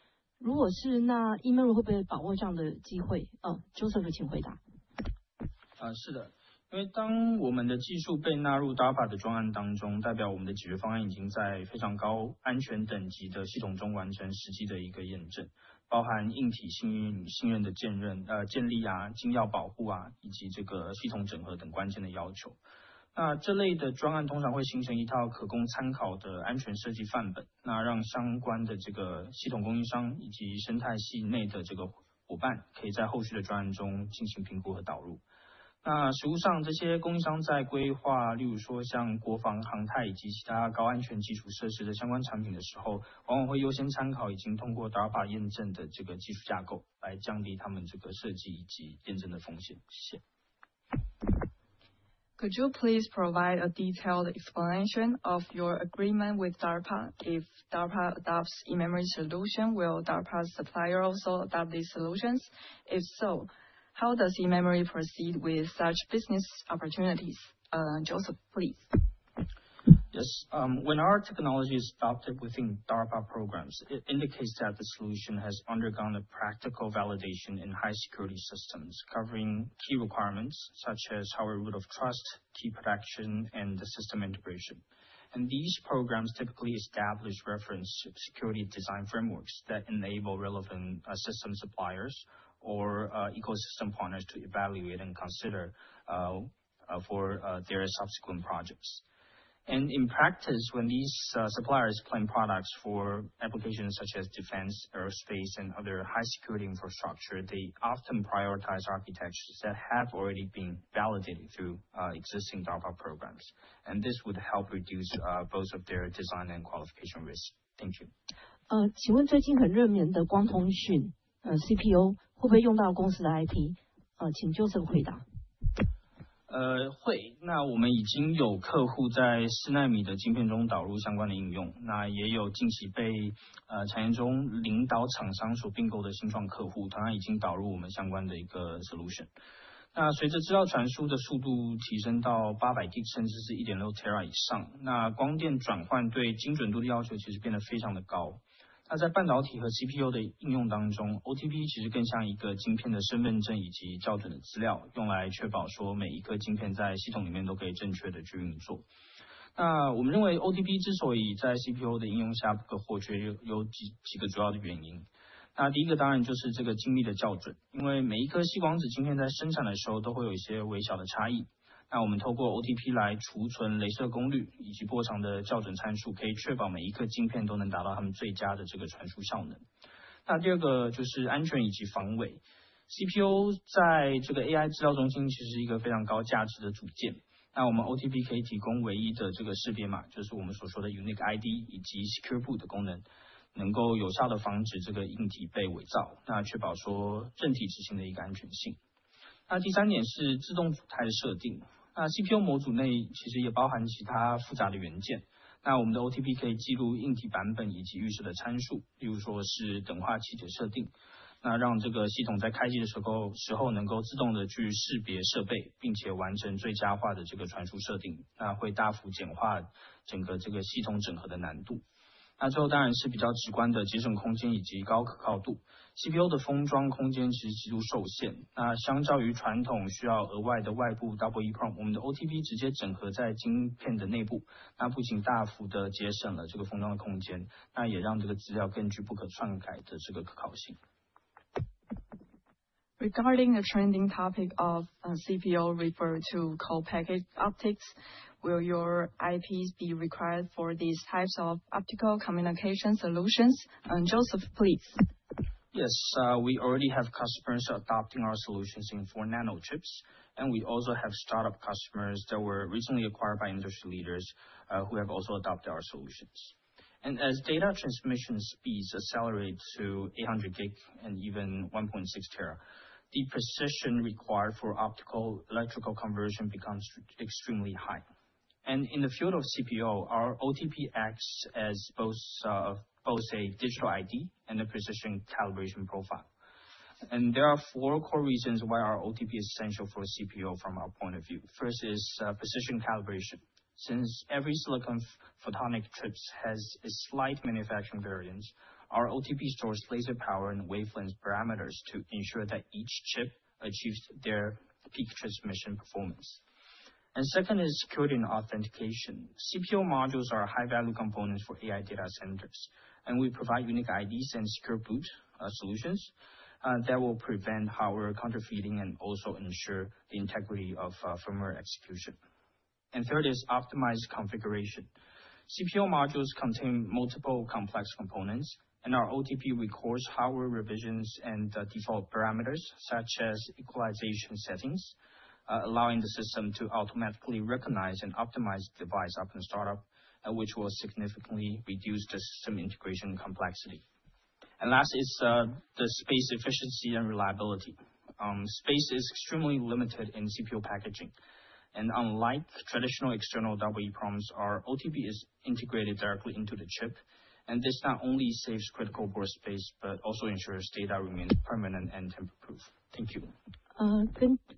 Could you please provide a detailed explanation of your agreement with DARPA? If DARPA adopts eMemory solutions, will DARPA supplier also adopt these solutions? If so, how does eMemory proceed with such business opportunities? Joseph, please. Yes. When our technology is adopted within DARPA programs, it indicates that the solution has undergone a practical validation in high security systems, covering key requirements such as hardware Root of Trust, key production, and the system integration. And these programs typically establish reference security design frameworks that enable relevant system suppliers or ecosystem partners to evaluate and consider for their subsequent projects. And in practice, when these suppliers plan products for applications such as defense, aerospace, and other high security infrastructure, they often prioritize architectures that have already been validated through existing DARPA programs. And this would help reduce both of their design and qualification risks. Thank you. 请问最近很热门的光通讯CPO会不会用到公司的IP？请Joseph回答。GB，甚至是1.6 ID以及Secure Regarding the trending topic of CPO referred to co-packaged optics, will your IPs be required for these types of optical communication solutions? Joseph, please. Yes. We already have customers adopting our solutions in 4 nm chips, and we also have startup customers that were recently acquired by industry leaders who have also adopted our solutions. As data transmission speeds accelerate to 800 GB and even 1.6 TB, the precision required for optical electrical conversion becomes extremely high. In the field of CPO, our OTP acts as both a digital ID and a precision calibration profile. There are four core reasons why our OTP is essential for a CPO from our point of view. First is precision calibration. Since every silicon photonic chip has a slight manufacturing variance, our OTP stores laser power and wavelength parameters to ensure that each chip achieves their peak transmission performance. Second is security and authentication. CPO modules are high-value components for AI data centers, and we provide unique IDs and Secure Boot solutions that will prevent hardware counterfeiting and also ensure the integrity of firmware execution. Third is optimized configuration. CPO modules contain multiple complex components, and our OTP records hardware revisions and default parameters such as equalization settings, allowing the system to automatically recognize and optimize device up and startup, which will significantly reduce the system integration complexity. Last is the space efficiency and reliability. Space is extremely limited in CPO packaging. Unlike traditional external EEPROMs, our OTP is integrated directly into the chip, and this not only saves critical board space but also ensures data remains permanent and tamper-proof. Thank you.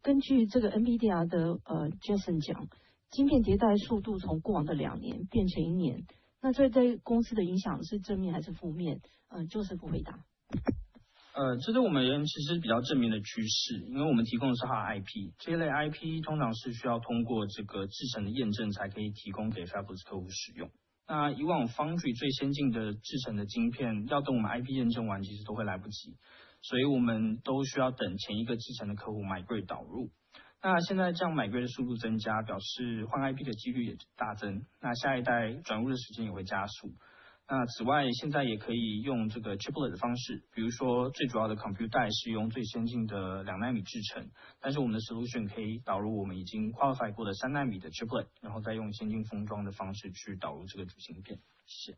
根据这个NVIDIA的Jensen讲，晶片迭代速度从过往的两年变成一年。那这对公司的影响是正面还是负面？Joseph回答。die是用最先进的2奈米制程，但是我们的solution可以导入我们已经qualify过的3奈米的chiplet，然后再用先进封装的方式去导入这个主晶片。谢谢。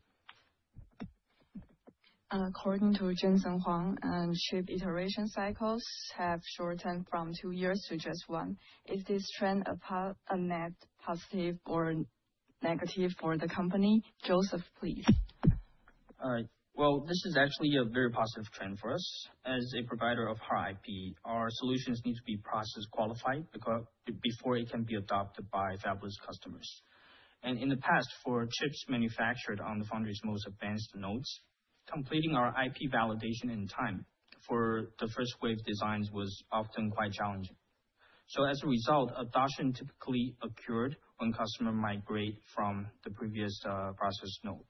According to Jensen Huang, chip iteration cycles have shortened from two years to just one. Is this trend a net positive or negative for the company? Joseph, please. Well, this is actually a very positive trend for us. As a provider of hard IP, our solutions need to be process-qualified before it can be adopted by fabless customers. In the past, for chips manufactured on the foundry's most advanced nodes, completing our IP validation in time for the first wave designs was often quite challenging. As a result, adoption typically occurred when customers migrated from the previous process node.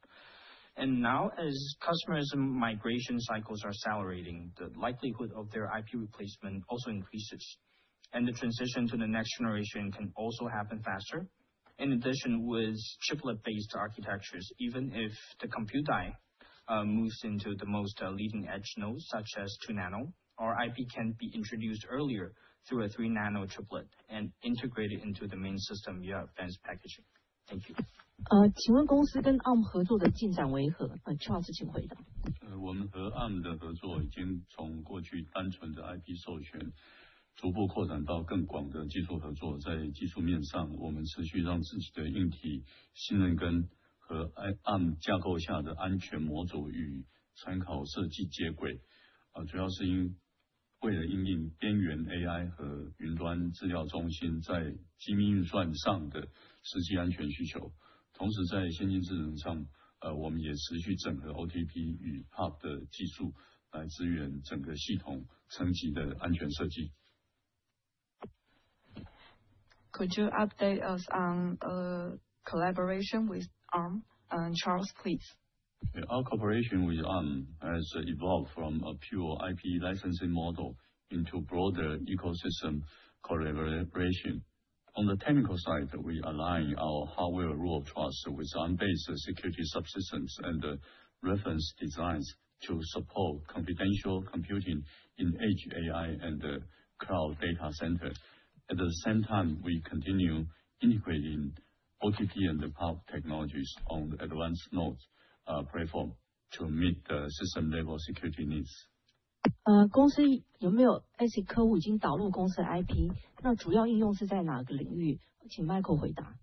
Now, as customers' migration cycles are accelerating, the likelihood of their IP replacement also increases, and the transition to the next generation can also happen faster. In addition, with chiplet-based architectures, even if the compute die moves into the most leading-edge nodes such as 2 nano, our IP can be introduced earlier through a 3 nano chiplet and integrated into the main system via advanced packaging. Thank you. 请问公司跟ARM合作的进展为何？Charles，请回答。我们和ARM的合作已经从过去单纯的IP授权逐步扩展到更广的技术合作。在技术面上，我们持续让自己的硬体信任根和ARM架构下的安全模组与参考设计接轨，主要是为了因应边缘AI和云端资料中心在机密运算上的实际安全需求。同时在先进制程上，我们也持续整合OTP与Hub的技术来支援整个系统层级的安全设计。Could you update us on collaboration with Arm? Charles, please. Our cooperation with Arm has evolved from a pure IP licensing model into broader ecosystem collaboration. On the technical side, we align our hardware Root of Trust with Arm-based security subsystems and reference designs to support confidential computing in edge AI and cloud data center. At the same time, we continue integrating OTP and the PUF technologies on the advanced node platform to meet the system-level security needs. 公司有没有ASIC客户已经导入公司的IP？那主要应用是在哪个领域？请Michael回答。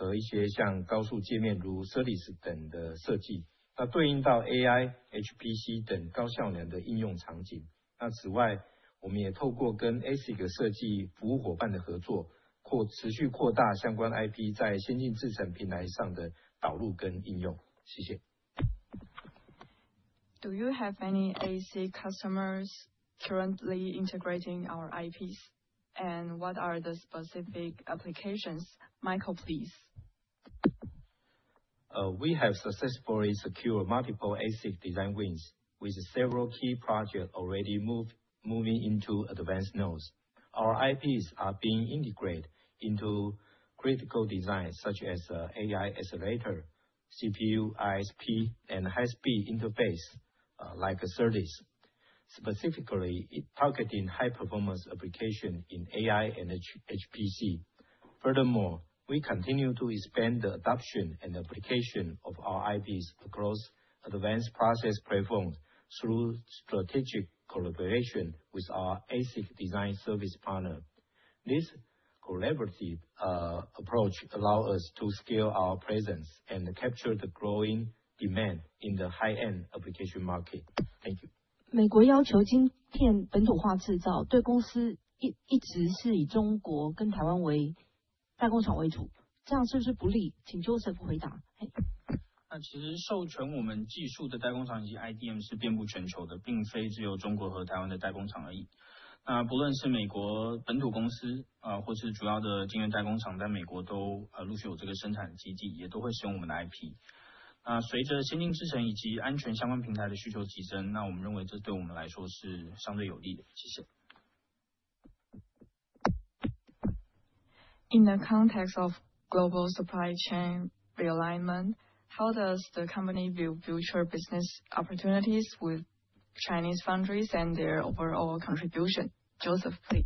好，这是四个。我们公司已经有多家的ASIC客户导入我们的IP，相关的专案已经进入先进的制程，并且应用在AI的像加速晶片、CPU、ISP和一些像高速介面如Service等的设计，那对应到AI、HPC等高效能的应用场景。那此外，我们也透过跟ASIC设计服务夥伴的合作，持续扩大相关IP在先进制程平台上的导入跟应用。谢谢。Do you have any ASIC customers currently integrating our IPs? And what are the specific applications? Michael, please. We have successfully secured multiple ASIC design wins, with several key projects already moving into advanced nodes. Our IPs are being integrated into critical designs such as AI accelerator, CPU, ISP, and high-speed interface like SerDes, specifically targeting high-performance applications in AI and HPC. Furthermore, we continue to expand the adoption and application of our IPs across advanced process platforms through strategic collaboration with our ASIC design service partner. This collaborative approach allows us to scale our presence and capture the growing demand in the high-end application market. Thank you. 美国要求晶片本土化制造，对公司一直是以中国跟台湾为代工厂为主。这样是不是不利？请Joseph回答。In the context of global supply chain realignment, how does the company view future business opportunities with Chinese foundries and their overall contribution? Joseph, please.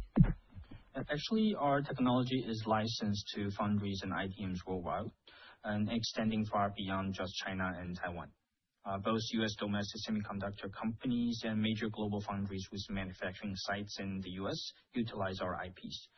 Actually, our technology is licensed to foundries and IDMs worldwide, and extending far beyond just China and Taiwan. Both U.S. domestic semiconductor companies and major global foundries with manufacturing sites in the U.S. utilize our IPs.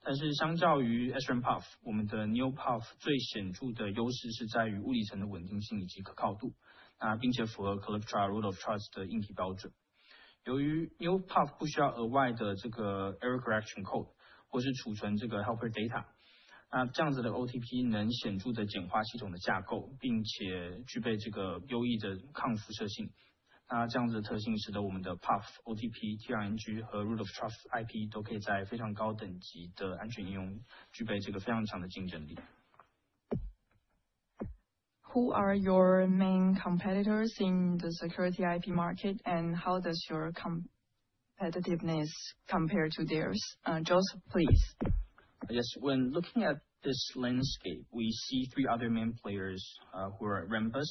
As the demand for advanced nodes and security-integrated platforms continues to surge, we do believe this broad geographical presence positions us favorably to capture these growth opportunities. Thank you. 市场上还有哪些公司有提供相关的Secure IP？那跟他们的竞争力比较为何？Joseph，请回答。其实除了我们之外，另外还有三家主要的这个Secure IP的公司，那分别是Rambus以及透过并购这个Secure-IC进入这个市场的Cadence以及Synopsys。那Rambus以及Cadence的强项是在他们加密软体层以及协议，那我们则是专注在硬体物理层的安全基础。所以在很多的案子和应用场景里面，他们其实是我们的潜在客户。那Synopsys并购了SRAM PUF业者Intrinsic ID之后，也进入了这个市场。但是相较于SRAM PUF，我们的NeoPUF最显著的优势是在于物理层的稳定性以及可靠度，并且符合Calyptra Root of Trust的硬体标准。由于neopuf不需要额外的这个Error Correction Code或是储存这个Helper data，那这样子的otp能显著的简化系统的架构，并且具备这个优异的抗辐射性。那这样子的特性使得我们的puf、otp、trng和Root of Trust IP都可以在非常高等级的安全应用具备这个非常强的竞争力。Who are your main competitors in the Security IP market, and how does your competitiveness compare to theirs? Joseph, please. Yes. When looking at this landscape, we see three other main players who are Rambus,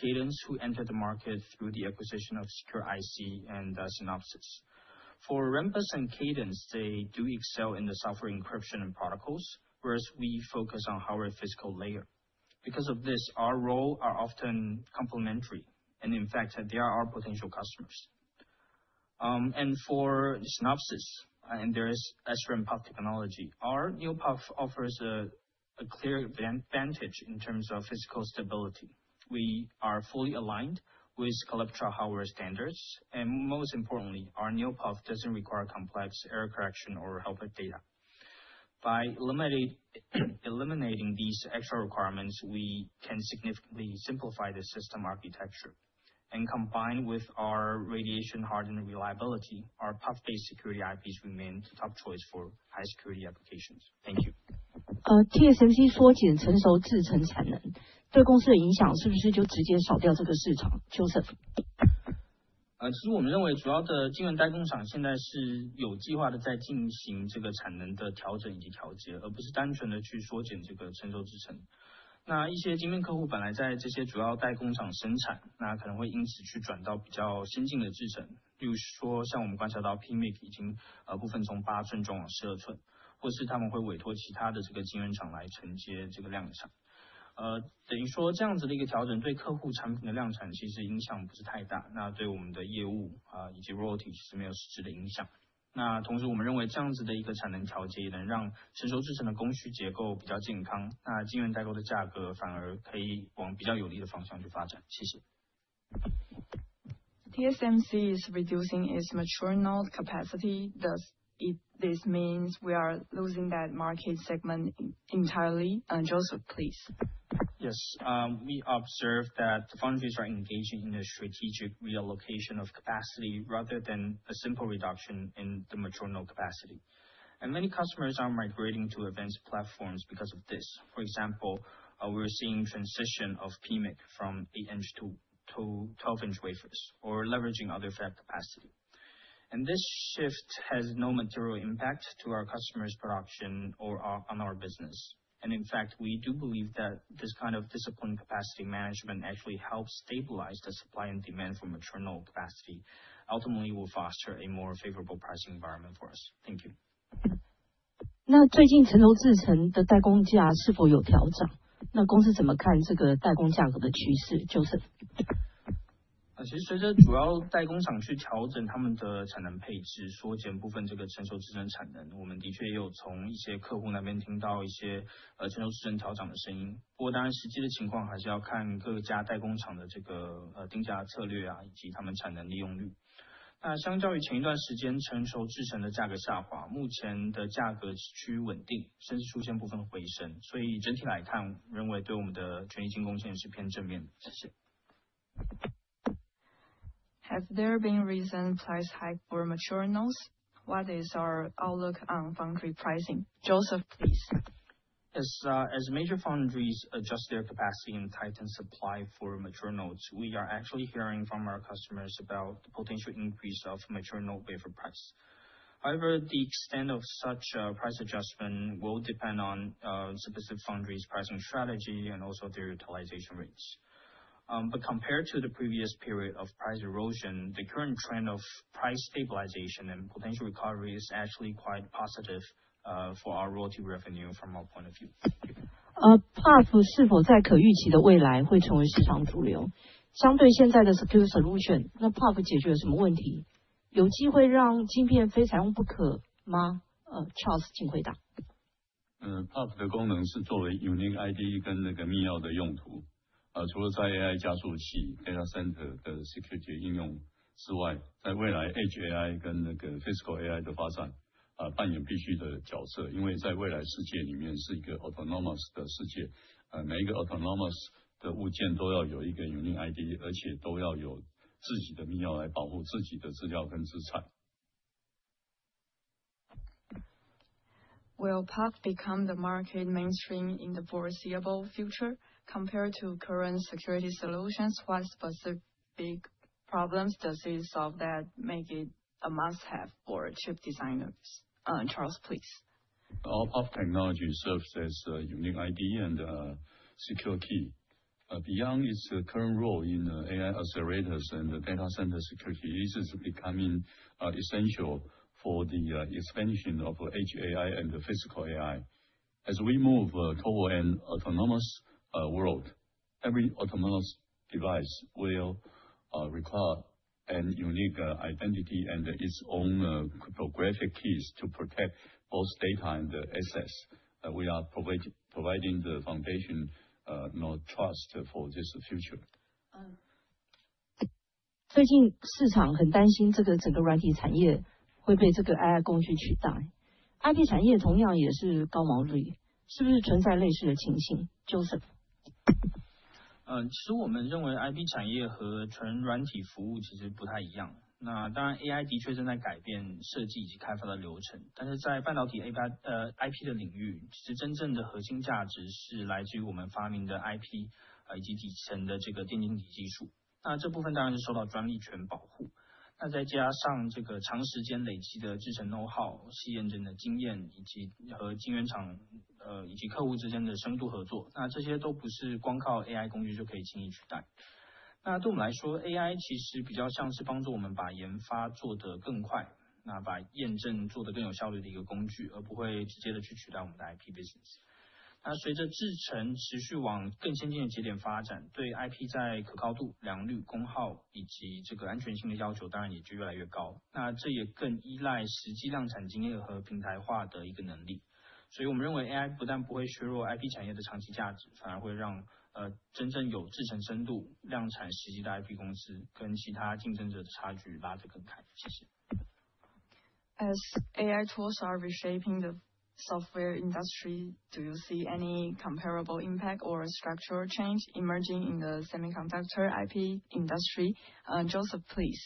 Cadence, who entered the market through the acquisition of Secure-IC and Synopsys. For Rambus and Cadence, they do excel in the software encryption and protocols, whereas we focus on hardware physical layer. Because of this, our roles are often complementary, and in fact, they are our potential customers. For Synopsys, and their SRAM PUF technology, our NeoPUF offers a clear advantage in terms of physical stability. We are fully aligned with Calyptra hardware standards, and most importantly, our NeoPUF doesn't require complex error correction or Helper Data. By eliminating these extra requirements, we can significantly simplify the system architecture. Combined with our radiation-hardened reliability, our PUF-based security IPs remain the top choice for high-security applications. Thank you. TSMC缩减成熟制程产能，对公司的影响是不是就直接少掉这个市场？Joseph。其实我们认为主要的晶圆代工厂现在是有计划的在进行这个产能的调整以及调节，而不是单纯的去缩减这个成熟制程。那一些晶片客户本来在这些主要代工厂生产，那可能会因此去转到比较先进的制程。例如说像我们观察到PMIC已经部分从8吋转往12吋，或是他们会委托其他的这个晶圆厂来承接这个量产。等于说这样子的一个调整对客户产品的量产其实影响不是太大，那对我们的业务以及Royalty其实没有实质的影响。那同时我们认为这样子的一个产能调节也能让成熟制程的供需结构比较健康，那晶圆代工的价格反而可以往比较有利的方向去发展。谢谢。TSMC is reducing its mature node capacity. Does this mean we are losing that market segment entirely? Joseph, please. Yes. We observe that foundries are engaging in a strategic relocation of capacity rather than a simple reduction in the mature node capacity. Many customers are migrating to advanced platforms because of this. For example, we're seeing transition of PMIC from 8 in-2 in wafers or leveraging other fab capacity. This shift has no material impact to our customers' production or on our business. In fact, we do believe that this kind of disciplined capacity management actually helps stabilize the supply and demand for mature node capacity, ultimately will foster a more favorable pricing environment for us. Thank you. 那最近成熟制程的代工价是否有调涨？那公司怎么看这个代工价格的趋势？Joseph。Has there been a recent price hike for mature nodes? What is our outlook on foundry pricing? Joseph, please. Yes. As major foundries adjust their capacity and tighten supply for mature nodes, we are actually hearing from our customers about the potential increase of mature node wafer price. However, the extent of such a price adjustment will depend on specific foundries' pricing strategy and also their utilization rates. But compared to the previous period of price erosion, the current trend of price stabilization and potential recovery is actually quite positive for our royalty revenue from our point of view. PUF是否在可预期的未来会成为市场主流？相对现在的Secure Solution，那PUF解决了什么问题？有机会让晶片非采用不可吗？Charles，请回答。PUF的功能是作为unique ID跟那个密钥的用途。除了在AI加速器、data center的security应用之外，在未来Edge AI跟那个Physical AI的发展扮演必须的角色。因为在未来世界里面是一个autonomous的世界，每一个autonomous的物件都要有一个unique ID，而且都要有自己的密钥来保护自己的资料跟资产。Will PARP become the market mainstream in the foreseeable future compared to current Security Solutions? What specific problems does it solve that make it a must-have for chip designers? Charles, please. Our PUF technology serves as a unique ID and a secure key. Beyond its current role in AI accelerators and the data center security, it is becoming essential for the expansion of edge AI and the Physical AI. As we move toward an autonomous world, every autonomous device will require a unique identity and its own cryptographic keys to protect both data and the assets. We are providing the foundation of trust for this future. 最近市场很担心这个整个软体产业会被这个AI工具取代。IP产业同样也是高毛利，是不是存在类似的情形？Joseph。其实我们认为IP产业和纯软体服务其实不太一样。那当然AI的确正在改变设计以及开发的流程，但是在半导体IP的领域，其实真正的核心价值是来自于我们发明的IP以及底层的这个电晶体技术。那这部分当然是受到专利权保护。那再加上这个长时间累积的制程know-how、细验证的经验以及和晶圆厂以及客户之间的深度合作，那这些都不是光靠AI工具就可以轻易取代。那对我们来说，AI其实比较像是帮助我们把研发做得更快，那把验证做得更有效率的一个工具，而不会直接的去取代我们的IP business。那随着制程持续往更先进的节点发展，对IP在可靠度、良率、功耗以及这个安全性的要求当然也就越来越高。那这也更依赖实际量产经验和平台化的一个能力。所以我们认为AI不但不会削弱IP产业的长期价值，反而会让真正有制程深度、量产实际的IP公司跟其他竞争者的差距拉得更开。谢谢。As AI tools are reshaping the software industry, do you see any comparable impact or structural change emerging in the semiconductor IP industry? Joseph, please.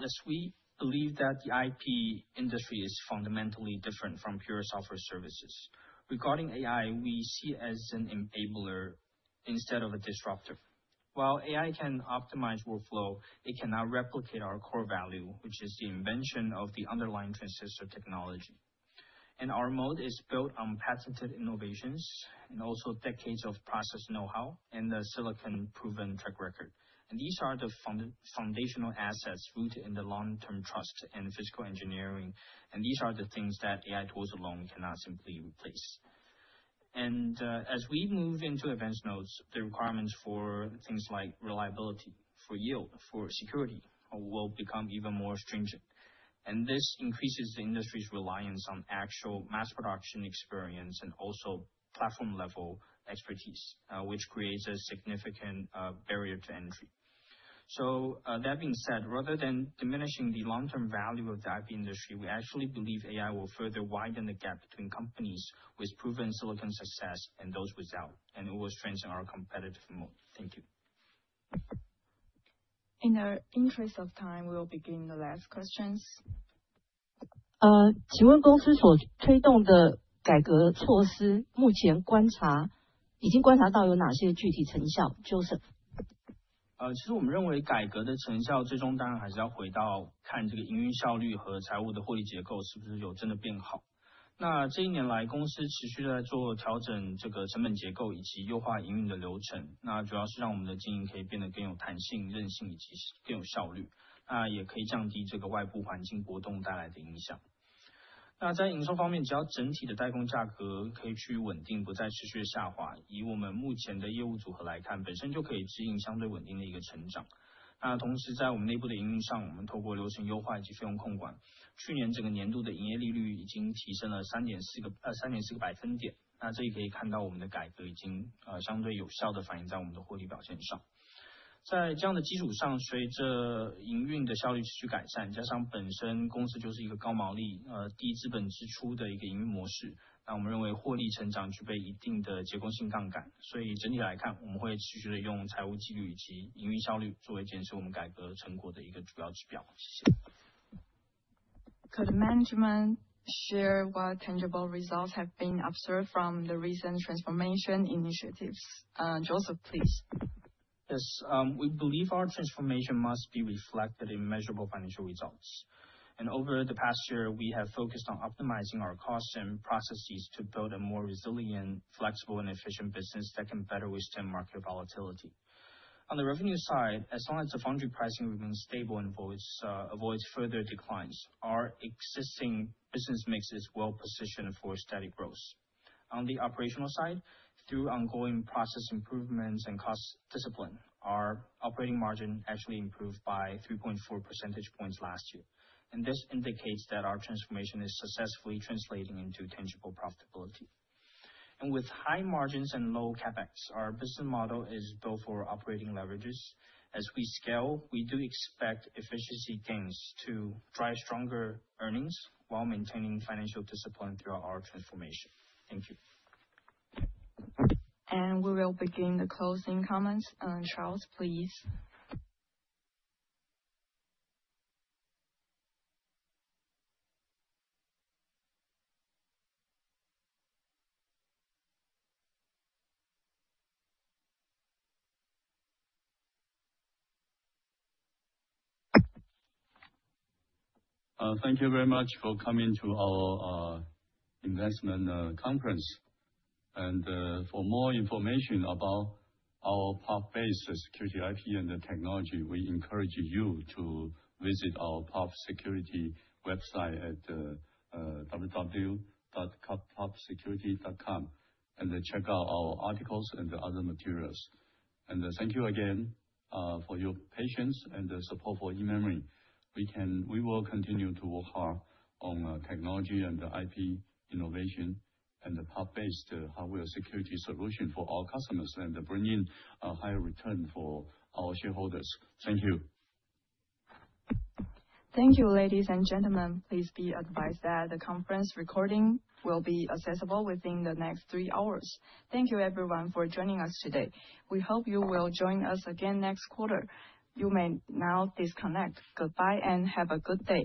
Yes. We believe that the IP industry is fundamentally different from pure software services. Regarding AI, we see it as an enabler instead of a disruptor. While AI can optimize workflow, it cannot replicate our core value, which is the invention of the underlying transistor technology. Our moat is built on patented innovations and also decades of process know-how and a silicon-proven track record. These are the foundational assets rooted in the long-term trust and physical engineering. These are the things that AI tools alone cannot simply replace. As we move into advanced nodes, the requirements for things like reliability, for yield, for security will become even more stringent. This increases the industry's reliance on actual mass production experience and also platform-level expertise, which creates a significant barrier to entry. So that being said, rather than diminishing the long-term value of the IP industry, we actually believe AI will further widen the gap between companies with proven silicon success and those without. It will strengthen our competitive moat. Thank you. In the interest of time, we will begin the last questions. 请问公司所推动的改革措施目前已经观察到有哪些具体成效？Joseph。Could management share what tangible results have been observed from the recent transformation initiatives? Joseph, please. Yes. We believe our transformation must be reflected in measurable financial results. Over the past year, we have focused on optimizing our costs and processes to build a more resilient, flexible, and efficient business that can better withstand market volatility. On the revenue side, as long as the foundry pricing remains stable and avoids further declines, our existing business mix is well positioned for steady growth. On the operational side, through ongoing process improvements and cost discipline, our operating margin actually improved by 3.4 percentage points last year. This indicates that our transformation is successfully translating into tangible profitability. With high margins and low CapEx, our business model is built for operating leverages. As we scale, we do expect efficiency gains to drive stronger earnings while maintaining financial discipline throughout our transformation. Thank you. We will begin the closing comments. Charles, please. Thank you very much for coming to our investment conference. For more information about our PUF-based security IP and the technology, we encourage you to visit our PUF security website at www.pufsecurity.com and check out our articles and the other materials. Thank you again for your patience and the support for eMemory. We will continue to work hard on technology and the IP innovation and the PUF-based hardware security solution for our customers and bring in a higher return for our shareholders. Thank you. Thank you, ladies and gentlemen. Please be advised that the conference recording will be accessible within the next three hours. Thank you, everyone, for joining us today. We hope you will join us again next quarter. You may now disconnect. Goodbye and have a good day.